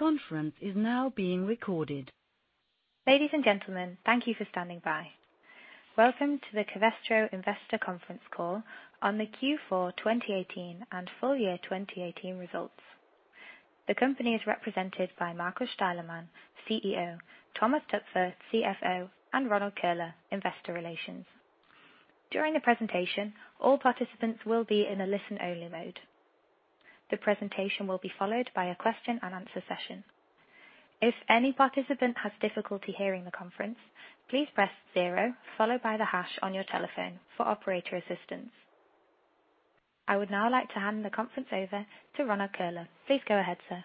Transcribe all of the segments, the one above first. Ladies and gentlemen, thank you for standing by. Welcome to the Covestro Investor Conference Call on the Q4 2018 and Full-Year 2018 Results. The company is represented by Markus Steilemann, CEO, Thomas Toepfer, CFO, and Ronald Köhler, Investor Relations. During the presentation, all participants will be in a listen-only mode. The presentation will be followed by a question and answer session. If any participant has difficulty hearing the conference, please press zero followed by the hash on your telephone for operator assistance. I would now like to hand the conference over to Ronald Köhler. Please go ahead, sir.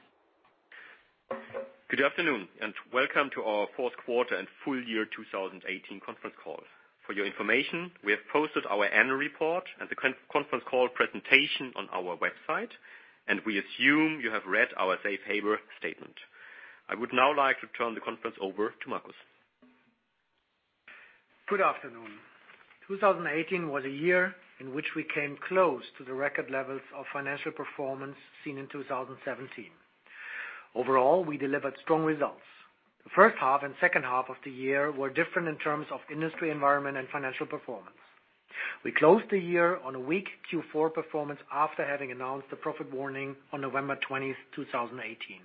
Good afternoon, welcome to our Fourth Quarter and Full-Year 2018 Conference Call. For your information, we have posted our annual report and the conference call presentation on our website. We assume you have read our safe harbor statement. I would now like to turn the conference over to Markus. Good afternoon. 2018 was a year in which we came close to the record levels of financial performance seen in 2017. Overall, we delivered strong results. The first half and second half of the year were different in terms of industry environment and financial performance. We closed the year on a weak Q4 performance after having announced the profit warning on November 20th, 2018.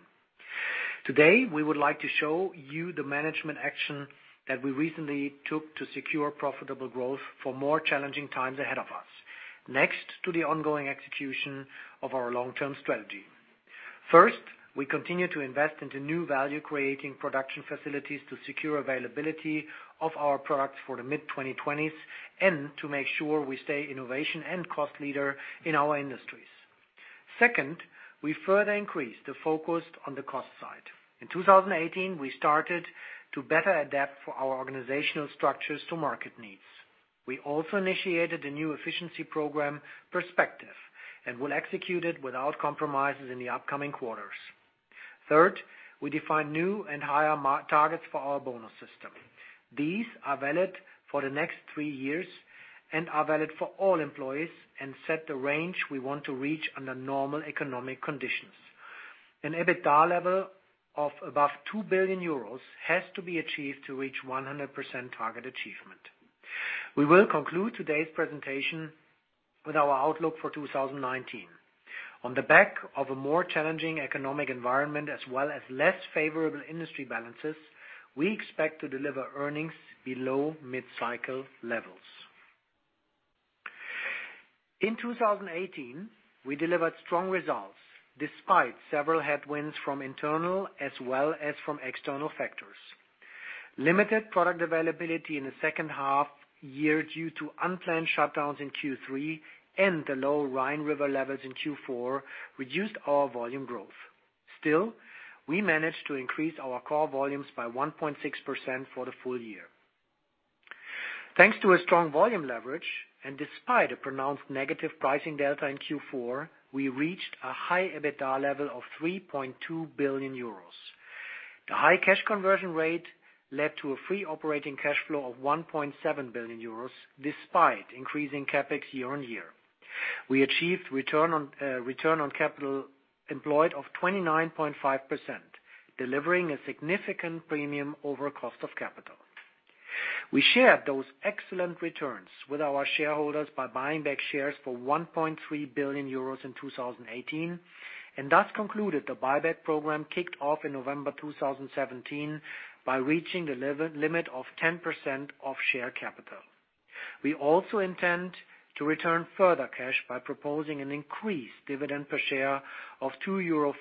Today, we would like to show you the management action that we recently took to secure profitable growth for more challenging times ahead of us, next to the ongoing execution of our long-term strategy. First, we continue to invest into new value-creating production facilities to secure availability of our products for the mid-2020s and to make sure we stay innovation and cost leader in our industries. Second, we further increased the focus on the cost side. In 2018, we started to better adapt for our organizational structures to market needs. We also initiated a new efficiency program, Perspective, and will execute it without compromises in the upcoming quarters. Third, we defined new and higher targets for our bonus system. These are valid for the next three years and are valid for all employees and set the range we want to reach under normal economic conditions. An EBITDA level of above 2 billion euros has to be achieved to reach 100% target achievement. We will conclude today's presentation with our outlook for 2019. On the back of a more challenging economic environment as well as less favorable industry balances, we expect to deliver earnings below mid-cycle levels. In 2018, we delivered strong results, despite several headwinds from internal as well as from external factors. Limited product availability in the second half year due to unplanned shutdowns in Q3 and the low Rhine River levels in Q4 reduced our volume growth. Still, we managed to increase our core volumes by 1.6% for the full-year. Thanks to a strong volume leverage, and despite a pronounced negative pricing delta in Q4, we reached a high EBITDA level of 3.2 billion euros. The high cash conversion rate led to a free operating cash flow of 1.7 billion euros, despite increasing CapEx year-over-year. We achieved return on capital employed of 29.5%, delivering a significant premium over cost of capital. We shared those excellent returns with our shareholders by buying back shares for 1.3 billion euros in 2018, and thus concluded the buyback program kicked off in November 2017 by reaching the limit of 10% of share capital. We also intend to return further cash by proposing an increased dividend per share of 2.40 euro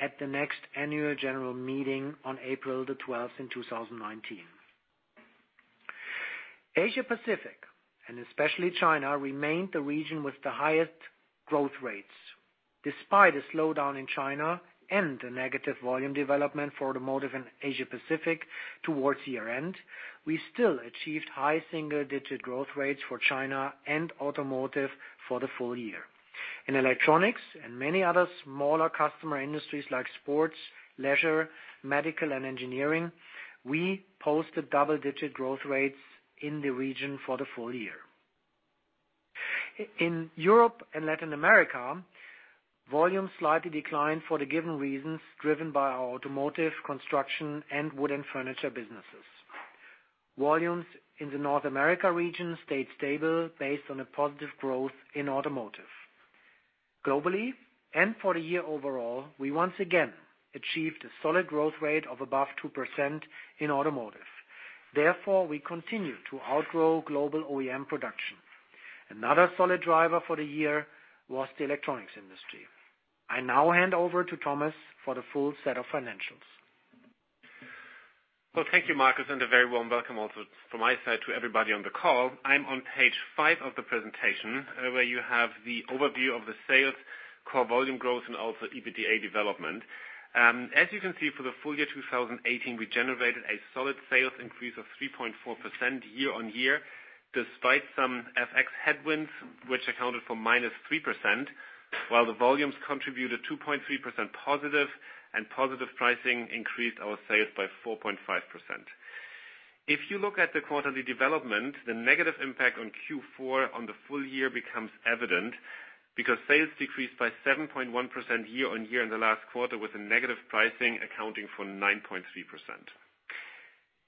at the next annual general meeting on April the 12th in 2019. Asia Pacific, and especially China, remained the region with the highest growth rates. Despite a slowdown in China and the negative volume development for automotive in Asia Pacific towards year-end, we still achieved high single-digit growth rates for China and automotive for the full-year. In electronics and many other smaller customer industries like sports, leisure, medical, and engineering, we posted double-digit growth rates in the region for the full-year. In Europe and Latin America, volume slightly declined for the given reasons, driven by our automotive, construction, and wood and furniture businesses. Volumes in the North America region stayed stable based on a positive growth in automotive. Globally, and for the year overall, we once again achieved a solid growth rate of above 2% in automotive. Therefore, we continue to outgrow global OEM production. Another solid driver for the year was the electronics industry. I now hand over to Thomas for the full set of financials. Thank you, Markus, and a very warm welcome also from my side to everybody on the call. I'm on page five of the presentation, where you have the overview of the sales core volume growth and also EBITDA development. As you can see, for the full-year 2018, we generated a solid sales increase of 3.4% year-on-year, despite some FX headwinds, which accounted for -3%, while the volumes contributed +2.3%, and positive pricing increased our sales by 4.5%. If you look at the quarterly development, the negative impact on Q4 on the full-year becomes evident, because sales decreased by 7.1% year-on-year in the last quarter, with a negative pricing accounting for 9.3%.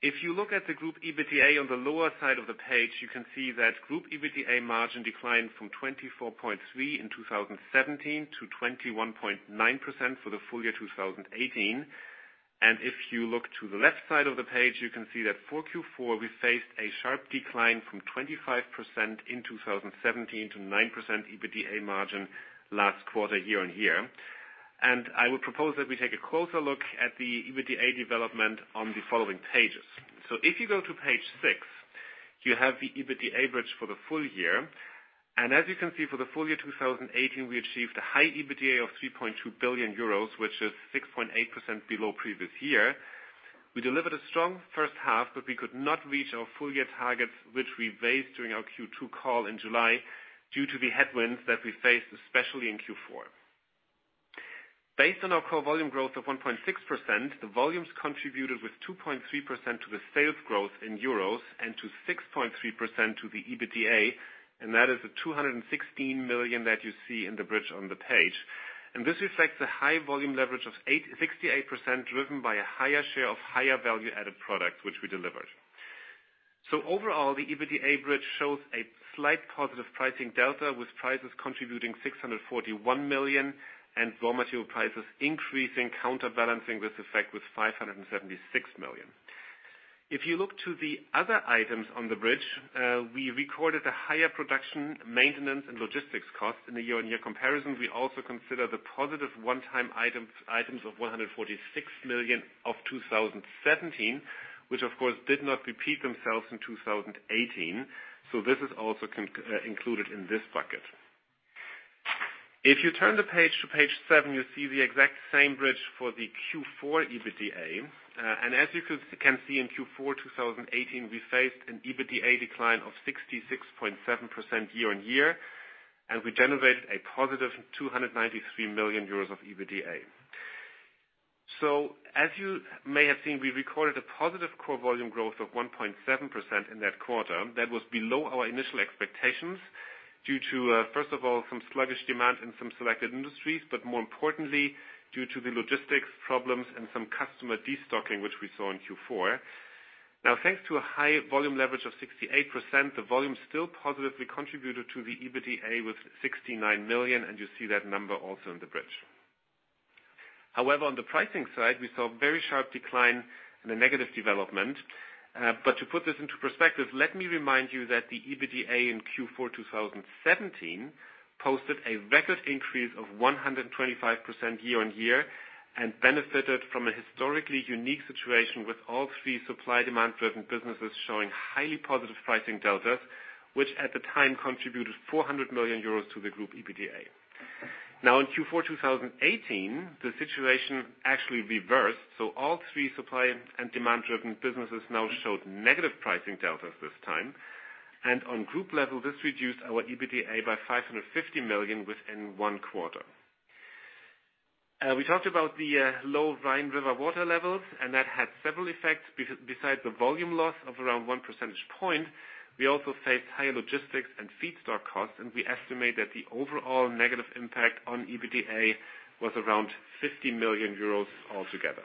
If you look at the group EBITDA on the lower side of the page, you can see that group EBITDA margin declined from 24.3% in 2017 to 21.9% for the full-year 2018. If you look to the left side of the page, you can see that for Q4, we faced a sharp decline from 25% in 2017 to 9% EBITDA margin last quarter year-on-year. I would propose that we take a closer look at the EBITDA development on the following pages. If you go to page six, you have the EBITDA bridge for the full-year. As you can see, for the full-year 2018, we achieved a high EBITDA of 3.2 billion euros, which is 6.8% below previous year. We delivered a strong first half, but we could not reach our full-year targets, which we raised during our Q2 call in July due to the headwinds that we faced, especially in Q4. Based on our core volume growth of 1.6%, the volumes contributed with 2.3% to the sales growth in EUR and to 6.3% to the EBITDA, and that is the 216 million that you see in the bridge on the page. This reflects a high volume leverage of 68%, driven by a higher share of higher value-added products, which we delivered. Overall, the EBITDA bridge shows a slight positive pricing delta, with prices contributing 641 million and raw material prices increasing, counterbalancing this effect with 576 million. If you look to the other items on the bridge, we recorded a higher production, maintenance, and logistics cost in the year-on-year comparison. We also consider the positive one-time items of 146 million of 2017, which of course did not repeat themselves in 2018. This is also included in this bucket. If you turn the page to page seven, you see the exact same bridge for the Q4 EBITDA. As you can see, in Q4 2018, we faced an EBITDA decline of 66.7% year-on-year, and we generated a positive 293 million euros of EBITDA. As you may have seen, we recorded a positive core volume growth of 1.7% in that quarter. That was below our initial expectations due to, first of all, some sluggish demand in some selected industries, but more importantly, due to the logistics problems and some customer destocking, which we saw in Q4. Thanks to a high volume leverage of 68%, the volume still positively contributed to the EBITDA with 69 million, and you see that number also in the bridge. However, on the pricing side, we saw a very sharp decline and a negative development. To put this into perspective, let me remind you that the EBITDA in Q4 2017 posted a record increase of 125% year-on-year and benefited from a historically unique situation with all three supply/demand-driven businesses showing highly positive pricing deltas, which at the time contributed 400 million euros to the group EBITDA. In Q4 2018, the situation actually reversed. All three supply and demand-driven businesses now showed negative pricing deltas this time. On group level, this reduced our EBITDA by 550 million within one quarter. We talked about the low Rhine River water levels, and that had several effects. Besides the volume loss of around one percentage point, we also faced higher logistics and feedstock costs, and we estimate that the overall negative impact on EBITDA was around 50 million euros altogether.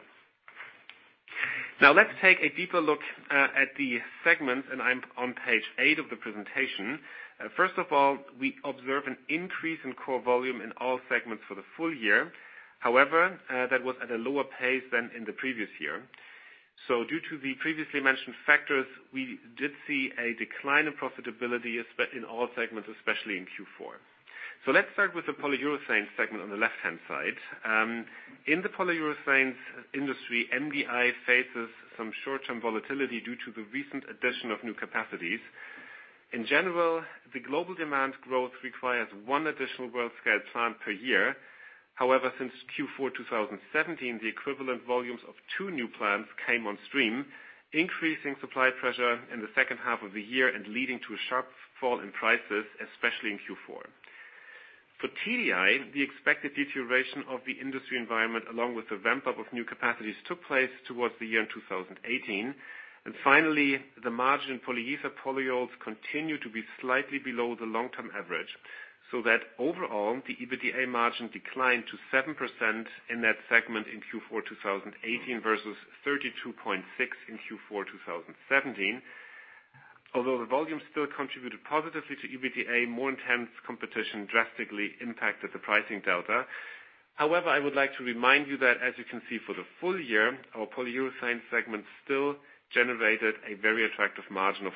Let's take a deeper look at the segments. I'm on page eight of the presentation. First of all, we observe an increase in core volume in all segments for the full-year. However, that was at a lower pace than in the previous year. Due to the previously mentioned factors, we did see a decline in profitability in all segments, especially in Q4. Let's start with the polyurethanes segment on the left-hand side. In the polyurethanes industry, MDI faces some short-term volatility due to the recent addition of new capacities. In general, the global demand growth requires one additional world scale plant per year. However, since Q4 2017, the equivalent volumes of two new plants came on stream, increasing supply pressure in the second half of the year and leading to a sharp fall in prices, especially in Q4. For TDI, the expected deterioration of the industry environment, along with the ramp-up of new capacities, took place towards the year 2018. Finally, the margin polyether polyols continued to be slightly below the long-term average. Overall, the EBITDA margin declined to 7% in that segment in Q4 2018 versus 32.6% in Q4 2017. Although the volume still contributed positively to EBITDA, more intense competition drastically impacted the pricing delta. However, I would like to remind you that as you can see for the full-year, our polyurethanes segment still generated a very attractive margin of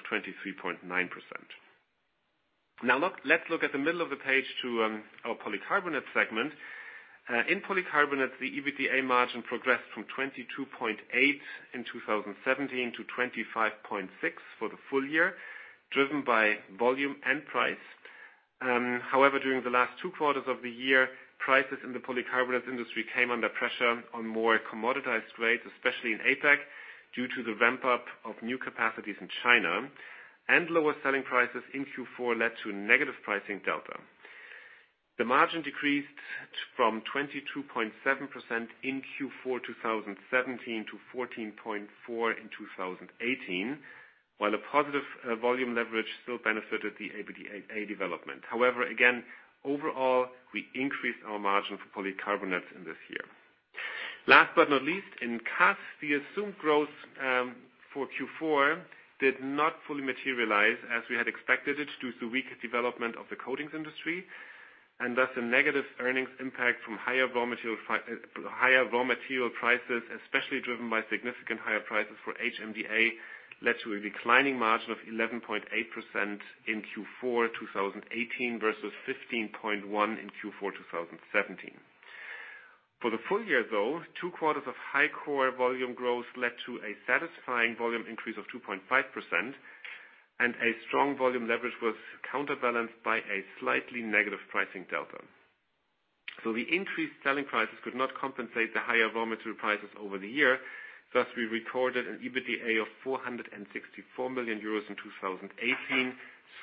23.9%. Let's look at the middle of the page to our polycarbonate segment. In polycarbonates, the EBITDA margin progressed from 22.8% in 2017 to 25.6% for the full-year, driven by volume and price. However, during the last two quarters of the year, prices in the polycarbonates industry came under pressure on more commoditized rates, especially in APAC, due to the ramp-up of new capacities in China. Lower selling prices in Q4 led to a negative pricing delta. The margin decreased from 22.7% in Q4 2017 to 14.4% in 2018, while a positive volume leverage still benefited the EBITDA development. However, again, overall, we increased our margin for polycarbonates in this year. Last but not least, in CAS, the assumed growth for Q4 did not fully materialize as we had expected it to due to weaker development of the coatings industry, and thus a negative earnings impact from higher raw material prices, especially driven by significant higher prices for HMDA, led to a declining margin of 11.8% in Q4 2018 versus 15.1% in Q4 2017. For the full-year though, two quarters of high core volume growth led to a satisfying volume increase of 2.5%. A strong volume leverage was counterbalanced by a slightly negative pricing delta. The increased selling prices could not compensate the higher raw material prices over the year. Thus, we recorded an EBITDA of 464 million euros in 2018,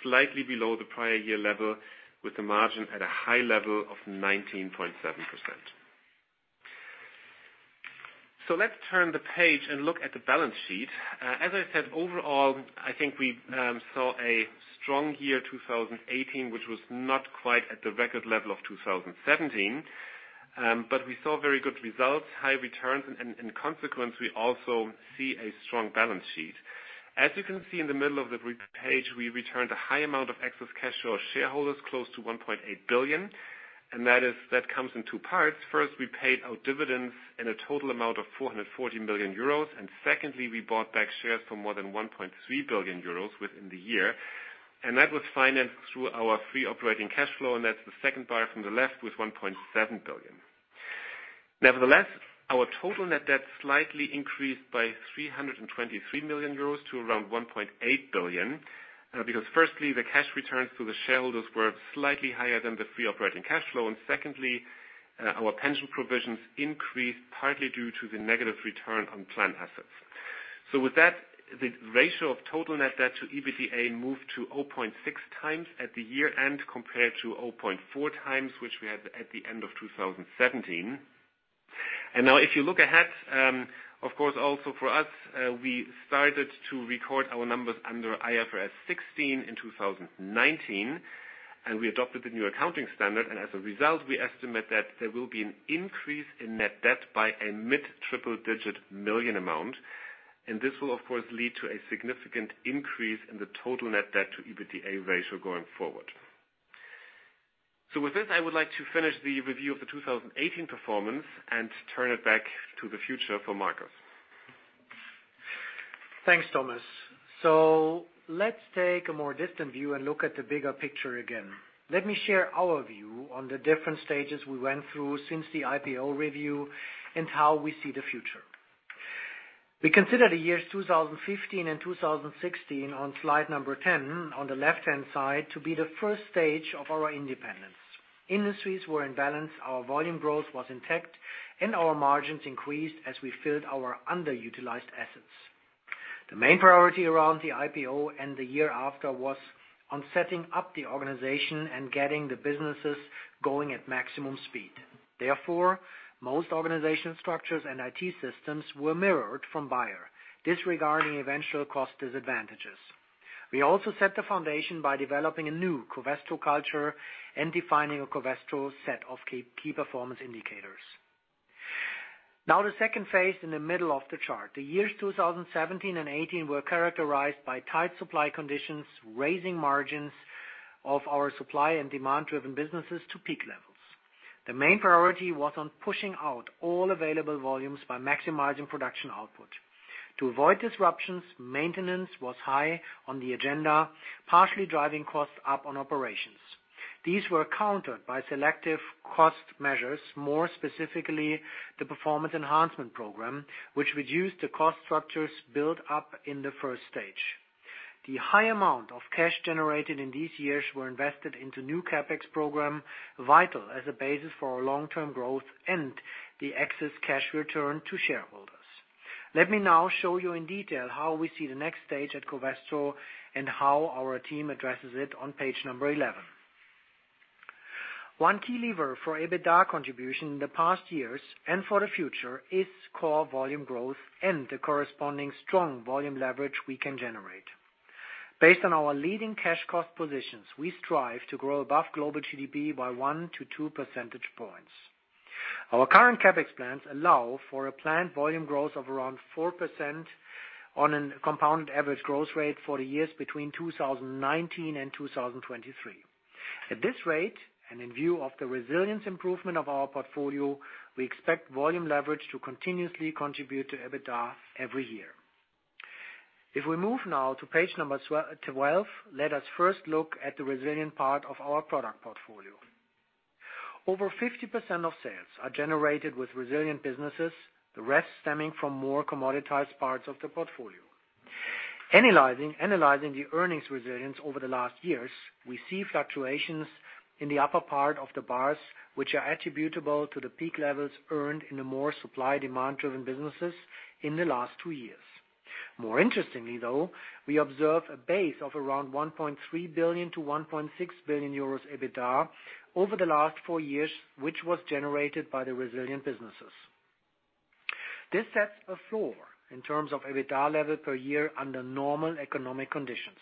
slightly below the prior year level with the margin at a high level of 19.7%. Let's turn the page and look at the balance sheet. As I said, overall, I think we saw a strong year 2018, which was not quite at the record level of 2017. We saw very good results, high returns, and in consequence, we also see a strong balance sheet. As you can see in the middle of the page, we returned a high amount of excess cash to our shareholders, close to 1.8 billion. That comes in two parts. First, we paid our dividends in a total amount of 440 million euros. Secondly, we bought back shares for more than 1.3 billion euros within the year. That was financed through our free operating cash flow, and that's the second bar from the left with 1.7 billion. Nevertheless, our total net debt slightly increased by 323 million euros to around 1.8 billion. Because firstly, the cash returns to the shareholders were slightly higher than the free operating cash flow. Secondly, our pension provisions increased partly due to the negative return on plan assets. With that, the ratio of total net debt to EBITDA moved to 0.6x at the year-end compared to 0.4x, which we had at the end of 2017. Now if you look ahead, of course, also for us, we started to record our numbers under IFRS 16 in 2019, and we adopted the new accounting standard. As a result, we estimate that there will be an increase in net debt by a mid triple-digit million amount. This will, of course, lead to a significant increase in the total net debt to EBITDA ratio going forward. With this, I would like to finish the review of the 2018 performance and turn it back to the future for Markus. Thanks, Thomas. Let's take a more distant view and look at the bigger picture again. Let me share our view on the different stages we went through since the IPO review and how we see the future. We consider the years 2015 and 2016 on slide number 10 on the left-hand side to be the first stage of our independence. Industries were in balance, our volume growth was intact, and our margins increased as we filled our underutilized assets. The main priority around the IPO and the year after was on setting up the organization and getting the businesses going at maximum speed. Therefore, most organization structures and IT systems were mirrored from Bayer, disregarding eventual cost disadvantages. We also set the foundation by developing a new Covestro culture and defining a Covestro set of key performance indicators. Now, the second phase in the middle of the chart. The years 2017 and 2018 were characterized by tight supply conditions, raising margins of our supply and demand-driven businesses to peak levels. The main priority was on pushing out all available volumes by maximizing production output. To avoid disruptions, maintenance was high on the agenda, partially driving costs up on operations. These were countered by selective cost measures, more specifically the performance enhancement program, which reduced the cost structures built up in the first stage. The high amount of cash generated in these years were invested into new CapEx program, vital as a basis for our long-term growth and the excess cash return to shareholders. Let me now show you in detail how we see the next stage at Covestro and how our team addresses it on page number 11. One key lever for EBITDA contribution in the past years and for the future is core volume growth and the corresponding strong volume leverage we can generate. Based on our leading cash cost positions, we strive to grow above global GDP by one to two percentage points. Our current CapEx plans allow for a planned volume growth of around 4% on an compounded average growth rate for the years between 2019 and 2023. At this rate, and in view of the resilience improvement of our portfolio, we expect volume leverage to continuously contribute to EBITDA every year. If we move now to page number 12, let us first look at the resilient part of our product portfolio. Over 50% of sales are generated with resilient businesses, the rest stemming from more commoditized parts of the portfolio. Analyzing the earnings resilience over the last years, we see fluctuations in the upper part of the bars, which are attributable to the peak levels earned in the more supply/demand-driven businesses in the last two years. More interestingly though, we observe a base of around 1.3 billion-1.6 billion euros EBITA over the last four years, which was generated by the resilient businesses. This sets a floor in terms of EBITA level per year under normal economic conditions.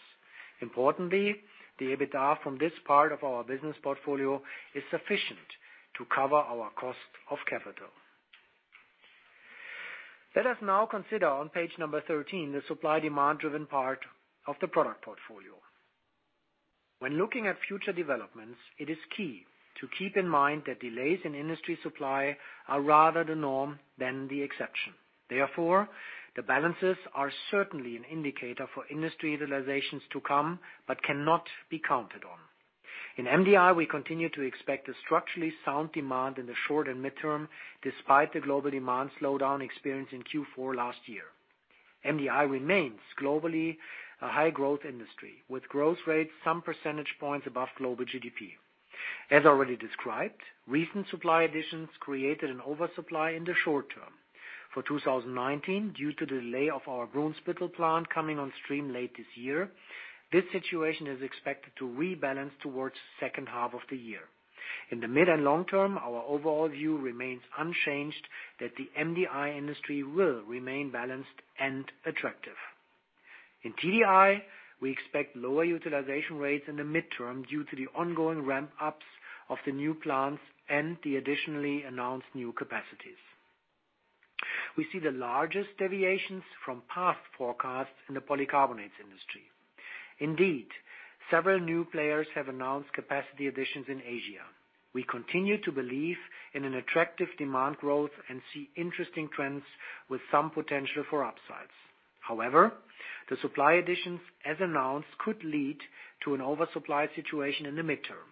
Importantly, the EBITA from this part of our business portfolio is sufficient to cover our cost of capital. Let us now consider on page number 13, the supply/demand-driven part of the product portfolio. When looking at future developments, it is key to keep in mind that delays in industry supply are rather the norm than the exception. Therefore, the balances are certainly an indicator for industry utilizations to come, but cannot be counted on. In MDI, we continue to expect a structurally sound demand in the short and midterm, despite the global demand slowdown experienced in Q4 last year. MDI remains globally a high-growth industry, with growth rates some percentage points above global GDP. As already described, recent supply additions created an oversupply in the short term. For 2019, due to the delay of our Brunsbüttel plant coming on stream late this year, this situation is expected to rebalance towards second half of the year. In the mid and long term, our overall view remains unchanged that the MDI industry will remain balanced and attractive. In TDI, we expect lower utilization rates in the midterm due to the ongoing ramp-ups of the new plants and the additionally announced new capacities. We see the largest deviations from past forecasts in the polycarbonates industry. Indeed, several new players have announced capacity additions in Asia. We continue to believe in an attractive demand growth and see interesting trends with some potential for upsides. However, the supply additions, as announced, could lead to an oversupply situation in the midterm.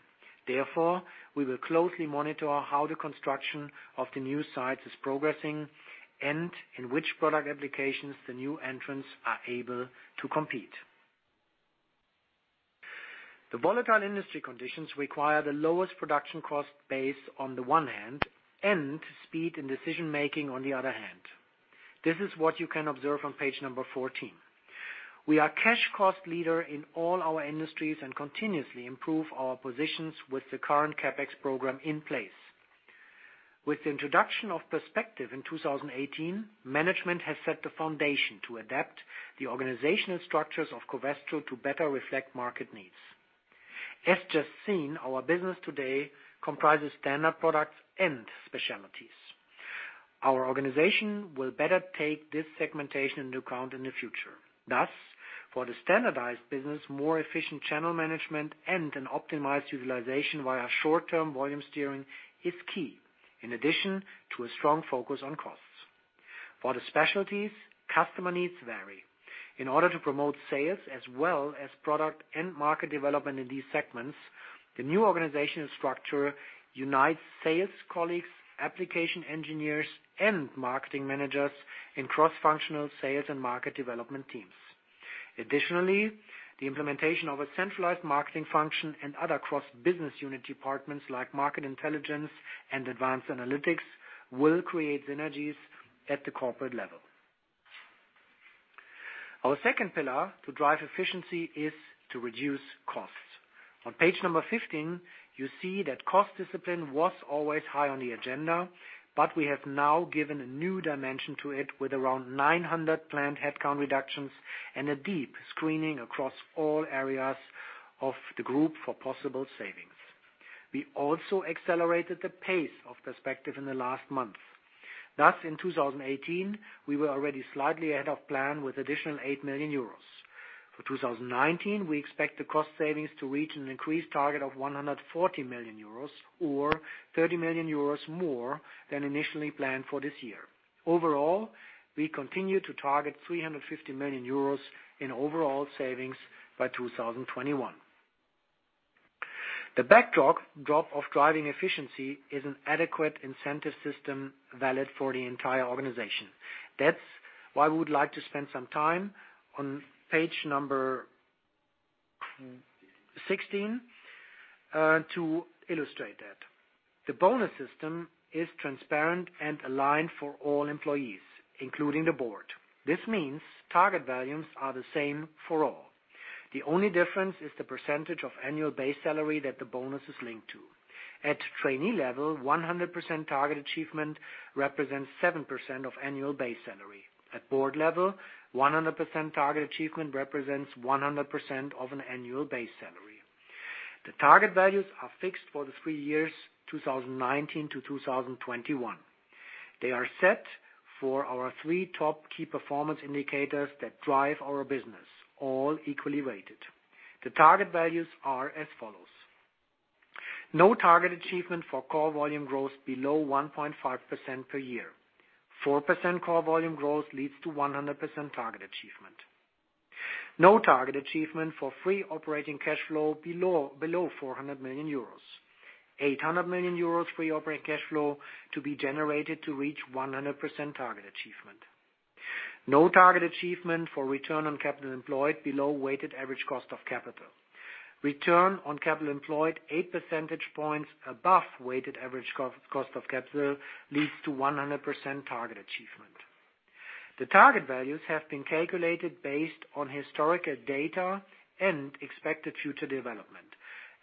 Therefore, we will closely monitor how the construction of the new sites is progressing and in which product applications the new entrants are able to compete. The volatile industry conditions require the lowest production cost base on the one hand, and speed in decision-making on the other hand. This is what you can observe on page number 14. We are cash cost leader in all our industries and continuously improve our positions with the current CapEx program in place. With the introduction of Perspective in 2018, management has set the foundation to adapt the organizational structures of Covestro to better reflect market needs. As just seen, our business today comprises standard products and specialties. Our organization will better take this segmentation into account in the future. Thus, for the standardized business, more efficient channel management and an optimized utilization via short-term volume steering is key, in addition to a strong focus on costs. For the specialties, customer needs vary. In order to promote sales as well as product and market development in these segments, the new organizational structure unites sales colleagues, application engineers, and marketing managers in cross-functional sales and market development teams. Additionally, the implementation of a centralized marketing function and other cross-business unit departments like market intelligence and advanced analytics will create synergies at the corporate level. Our second pillar to drive efficiency is to reduce costs. On page number 15, you see that cost discipline was always high on the agenda, but we have now given a new dimension to it with around 900 planned headcount reductions and a deep screening across all areas of the group for possible savings. We also accelerated the pace of Perspective in the last month. Thus, in 2018, we were already slightly ahead of plan with additional 8 million euros. For 2019, we expect the cost savings to reach an increased target of 140 million euros, or 30 million euros more than initially planned for this year. Overall, we continue to target 350 million euros in overall savings by 2021. The backdrop of driving efficiency is an adequate incentive system valid for the entire organization. That's why we would like to spend some time on page number 16 to illustrate that. The bonus system is transparent and aligned for all employees, including the board. This means target values are the same for all. The only difference is the percentage of annual base salary that the bonus is linked to. At trainee level, 100% target achievement represents 7% of annual base salary. At board level, 100% target achievement represents 100% of an annual base salary. The target values are fixed for the three years, 2019 to 2021. They are set for our three top key performance indicators that drive our business, all equally rated. The target values are as follows. No target achievement for core volume growth below 1.5% per year. 4% core volume growth leads to 100% target achievement. No target achievement for free operating cash flow below 400 million euros. 800 million euros free operating cash flow to be generated to reach 100% target achievement. No target achievement for return on capital employed below weighted average cost of capital. Return on capital employed eight percentage points above weighted average cost of capital leads to 100% target achievement. The target values have been calculated based on historical data and expected future development.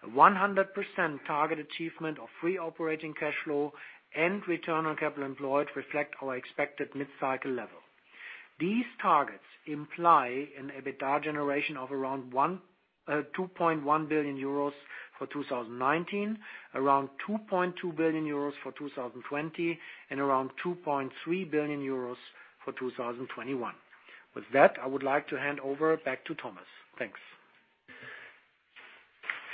100% target achievement of free operating cash flow and return on capital employed reflect our expected mid-cycle level. These targets imply an EBITDA generation of around 2.1 billion euros for 2019, around 2.2 billion euros for 2020, and around 2.3 billion euros for 2021. With that, I would like to hand over back to Thomas. Thanks.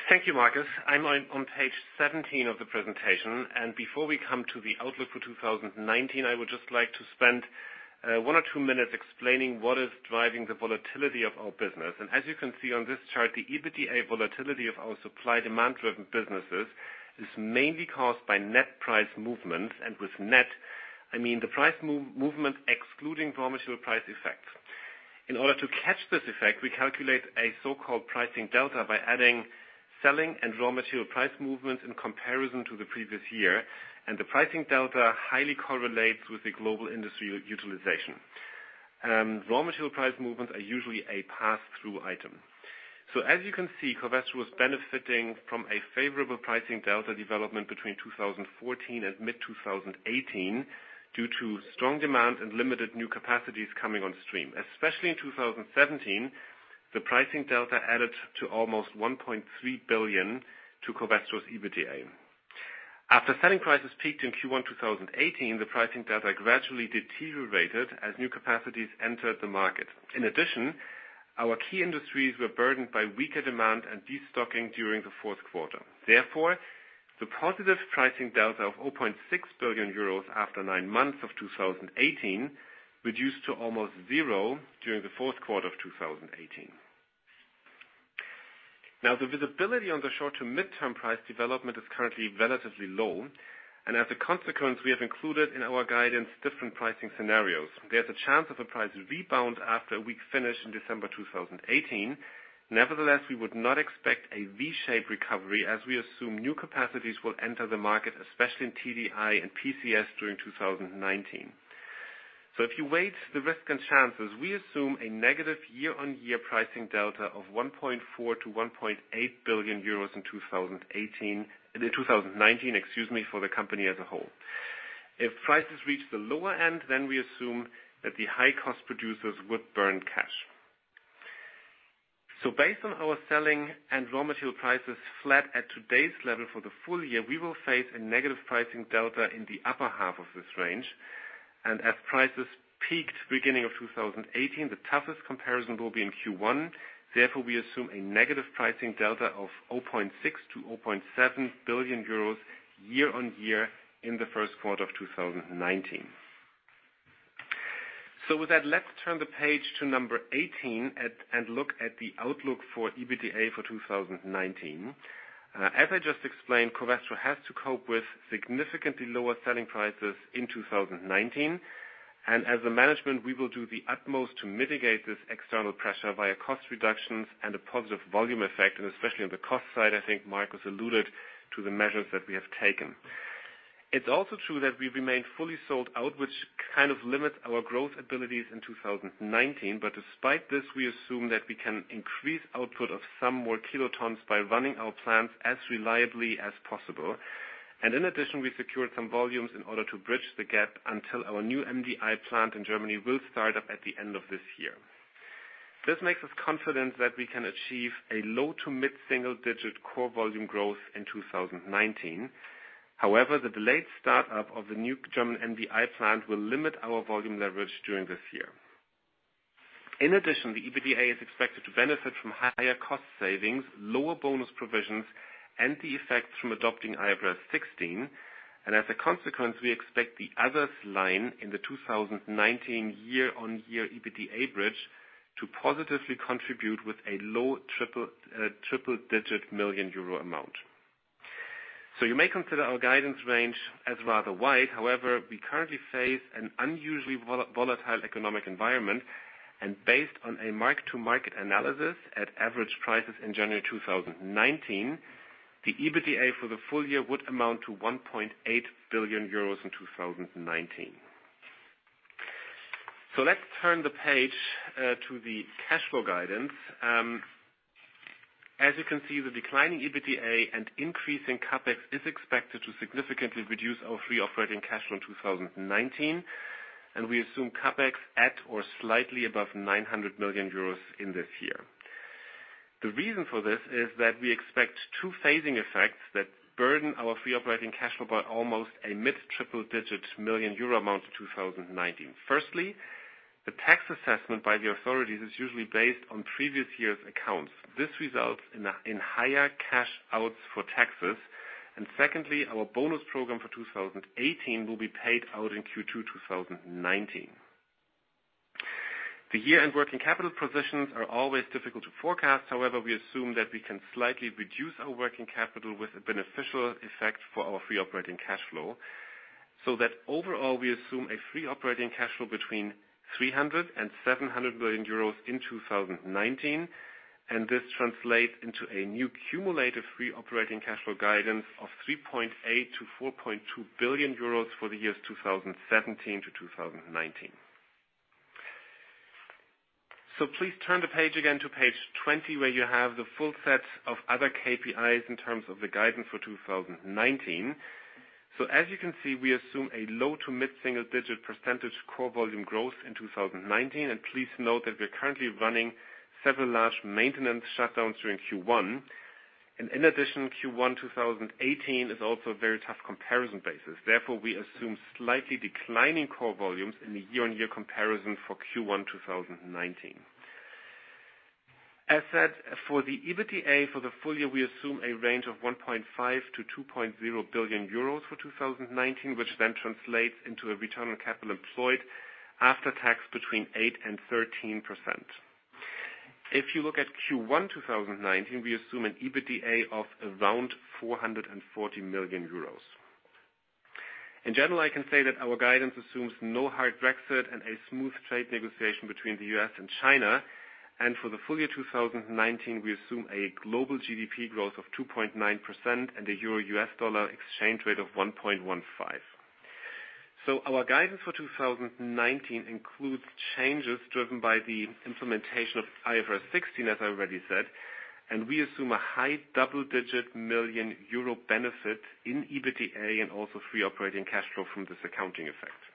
Thank you, Markus. I'm on page 17 of the presentation. Before we come to the outlook for 2019, I would just like to spend one or two minutes explaining what is driving the volatility of our business. As you can see on this chart, the EBITDA volatility of our supply-demand driven businesses is mainly caused by net price movements, and with net, I mean the price movement excluding raw material price effect. In order to catch this effect, we calculate a so-called pricing delta by adding selling and raw material price movements in comparison to the previous year, and the pricing delta highly correlates with the global industry utilization. Raw material price movements are usually a pass-through item. As you can see, Covestro was benefiting from a favorable pricing delta development between 2014 and mid-2018 due to strong demand and limited new capacities coming on stream. Especially in 2017, the pricing delta added to almost 1.3 billion to Covestro's EBITDA. After selling prices peaked in Q1 2018, the pricing delta gradually deteriorated as new capacities entered the market. In addition, our key industries were burdened by weaker demand and de-stocking during the fourth quarter. Therefore, the positive pricing delta of 0.6 billion euros after nine months of 2018 reduced to almost zero during the fourth quarter of 2018. The visibility on the short to midterm price development is currently relatively low, and as a consequence, we have included in our guidance different pricing scenarios. There's a chance of a price rebound after a weak finish in December 2018. Nevertheless, we would not expect a V-shaped recovery as we assume new capacities will enter the market, especially in TDI and PCS during 2019. If you weigh the risk and chances, we assume a negative year-on-year pricing delta of 1.4 billion-1.8 billion euros in 2019 for the company as a whole. If prices reach the lower end, we assume that the high-cost producers would burn cash. Based on our selling and raw material prices flat at today's level for the full-year, we will face a negative pricing delta in the upper half of this range. As prices peaked beginning of 2018, the toughest comparison will be in Q1. Therefore, we assume a negative pricing delta of 0.6 billion-0.7 billion euros year-on-year in the first quarter of 2019. With that, let's turn the page to 18 and look at the outlook for EBITDA for 2019. As I just explained, Covestro has to cope with significantly lower selling prices in 2019. As the management, we will do the utmost to mitigate this external pressure via cost reductions and a positive volume effect. Especially on the cost side, I think Markus alluded to the measures that we have taken. It is also true that we remain fully sold out, which kind of limits our growth abilities in 2019. Despite this, we assume that we can increase output of some more kilotons by running our plants as reliably as possible. In addition, we secured some volumes in order to bridge the gap until our new MDI plant in Germany will start up at the end of this year. This makes us confident that we can achieve a low- to mid-single-digit core volume growth in 2019. However, the delayed start-up of the new German MDI plant will limit our volume leverage during this year. In addition, the EBITDA is expected to benefit from higher cost savings, lower bonus provisions, and the effects from adopting IFRS 16. As a consequence, we expect the others line in the 2019 year-on-year EBITDA bridge to positively contribute with a low triple-digit million EUR amount. You may consider our guidance range as rather wide. However, we currently face an unusually volatile economic environment, and based on a mark-to-market analysis at average prices in January 2019, the EBITDA for the full-year would amount to 1.8 billion euros in 2019. Let's turn the page to the cash flow guidance. As you can see, the declining EBITDA and increase in CapEx is expected to significantly reduce our free operating cash flow in 2019, and we assume CapEx at or slightly above 900 million euros in this year. The reason for this is that we expect two phasing effects that burden our free operating cash flow by almost a mid triple-digit million EUR amount in 2019. Firstly, the tax assessment by the authorities is usually based on previous year's accounts. This results in higher cash outs for taxes. Secondly, our bonus program for 2018 will be paid out in Q2 2019. The year-end working capital positions are always difficult to forecast. However, we assume that we can slightly reduce our working capital with a beneficial effect for our free operating cash flow. So that overall, we assume a free operating cash flow between 300 billion euros and 700 billion euros in 2019, and this translates into a new cumulative free operating cash flow guidance of 3.8 billion to 4.2 billion euros for the years 2017 to 2019. Please turn the page again to page 20, where you have the full set of other KPIs in terms of the guidance for 2019. As you can see, we assume a low- to mid-single-digit percentage core volume growth in 2019. Please note that we're currently running several large maintenance shutdowns during Q1. In addition, Q1 2018 is also a very tough comparison basis. Therefore, we assume slightly declining core volumes in the year-on-year comparison for Q1 2019. As said, for the EBITDA for the full-year, we assume a range of 1.5 billion to 2.0 billion euros for 2019, which then translates into a return on capital employed after tax between 8% and 13%. If you look at Q1 2019, we assume an EBITDA of around 440 million euros. In general, I can say that our guidance assumes no hard Brexit and a smooth trade negotiation between the U.S. and China. For the full-year 2019, we assume a global GDP growth of 2.9% and a euro-US dollar exchange rate of 1.15. Our guidance for 2019 includes changes driven by the implementation of IFRS 16, as I already said, and we assume a high double-digit million EUR benefit in EBITDA and also free operating cash flow from this accounting effect.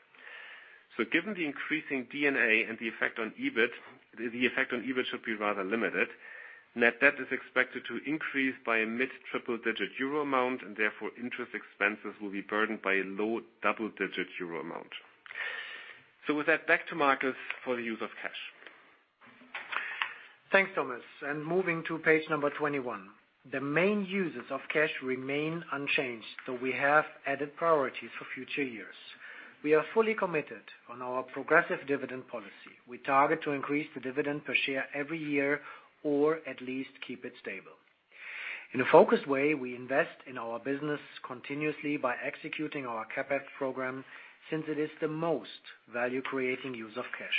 Given the increasing D&A and the effect on EBIT, the effect on EBIT should be rather limited. Net debt is expected to increase by a mid-triple digit EUR amount, and therefore, interest expenses will be burdened by a low double-digit EUR amount. With that, back to Markus for the use of cash. Thanks, Thomas. Moving to page number 21. The main uses of cash remain unchanged, though we have added priorities for future years. We are fully committed on our progressive dividend policy. We target to increase the dividend per share every year, or at least keep it stable. In a focused way, we invest in our business continuously by executing our CapEx program, since it is the most value-creating use of cash.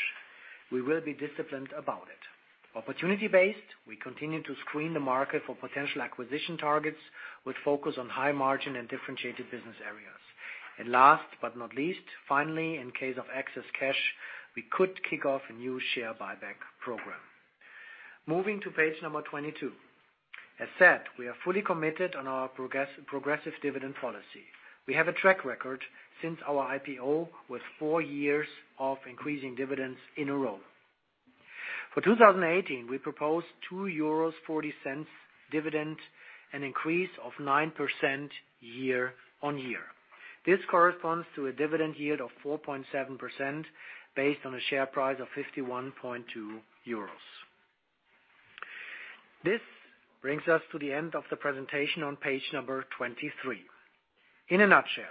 We will be disciplined about it. Opportunity-based, we continue to screen the market for potential acquisition targets with focus on high margin and differentiated business areas. Last but not least, finally, in case of excess cash, we could kick off a new share buyback program. Moving to page number 22. As said, we are fully committed on our progressive dividend policy. We have a track record since our IPO with four years of increasing dividends in a row. For 2018, we proposed 2.40 euros dividend, an increase of 9% year-on-year. This corresponds to a dividend yield of 4.7%, based on a share price of 51.2 euros. This brings us to the end of the presentation on page number 23. In a nutshell,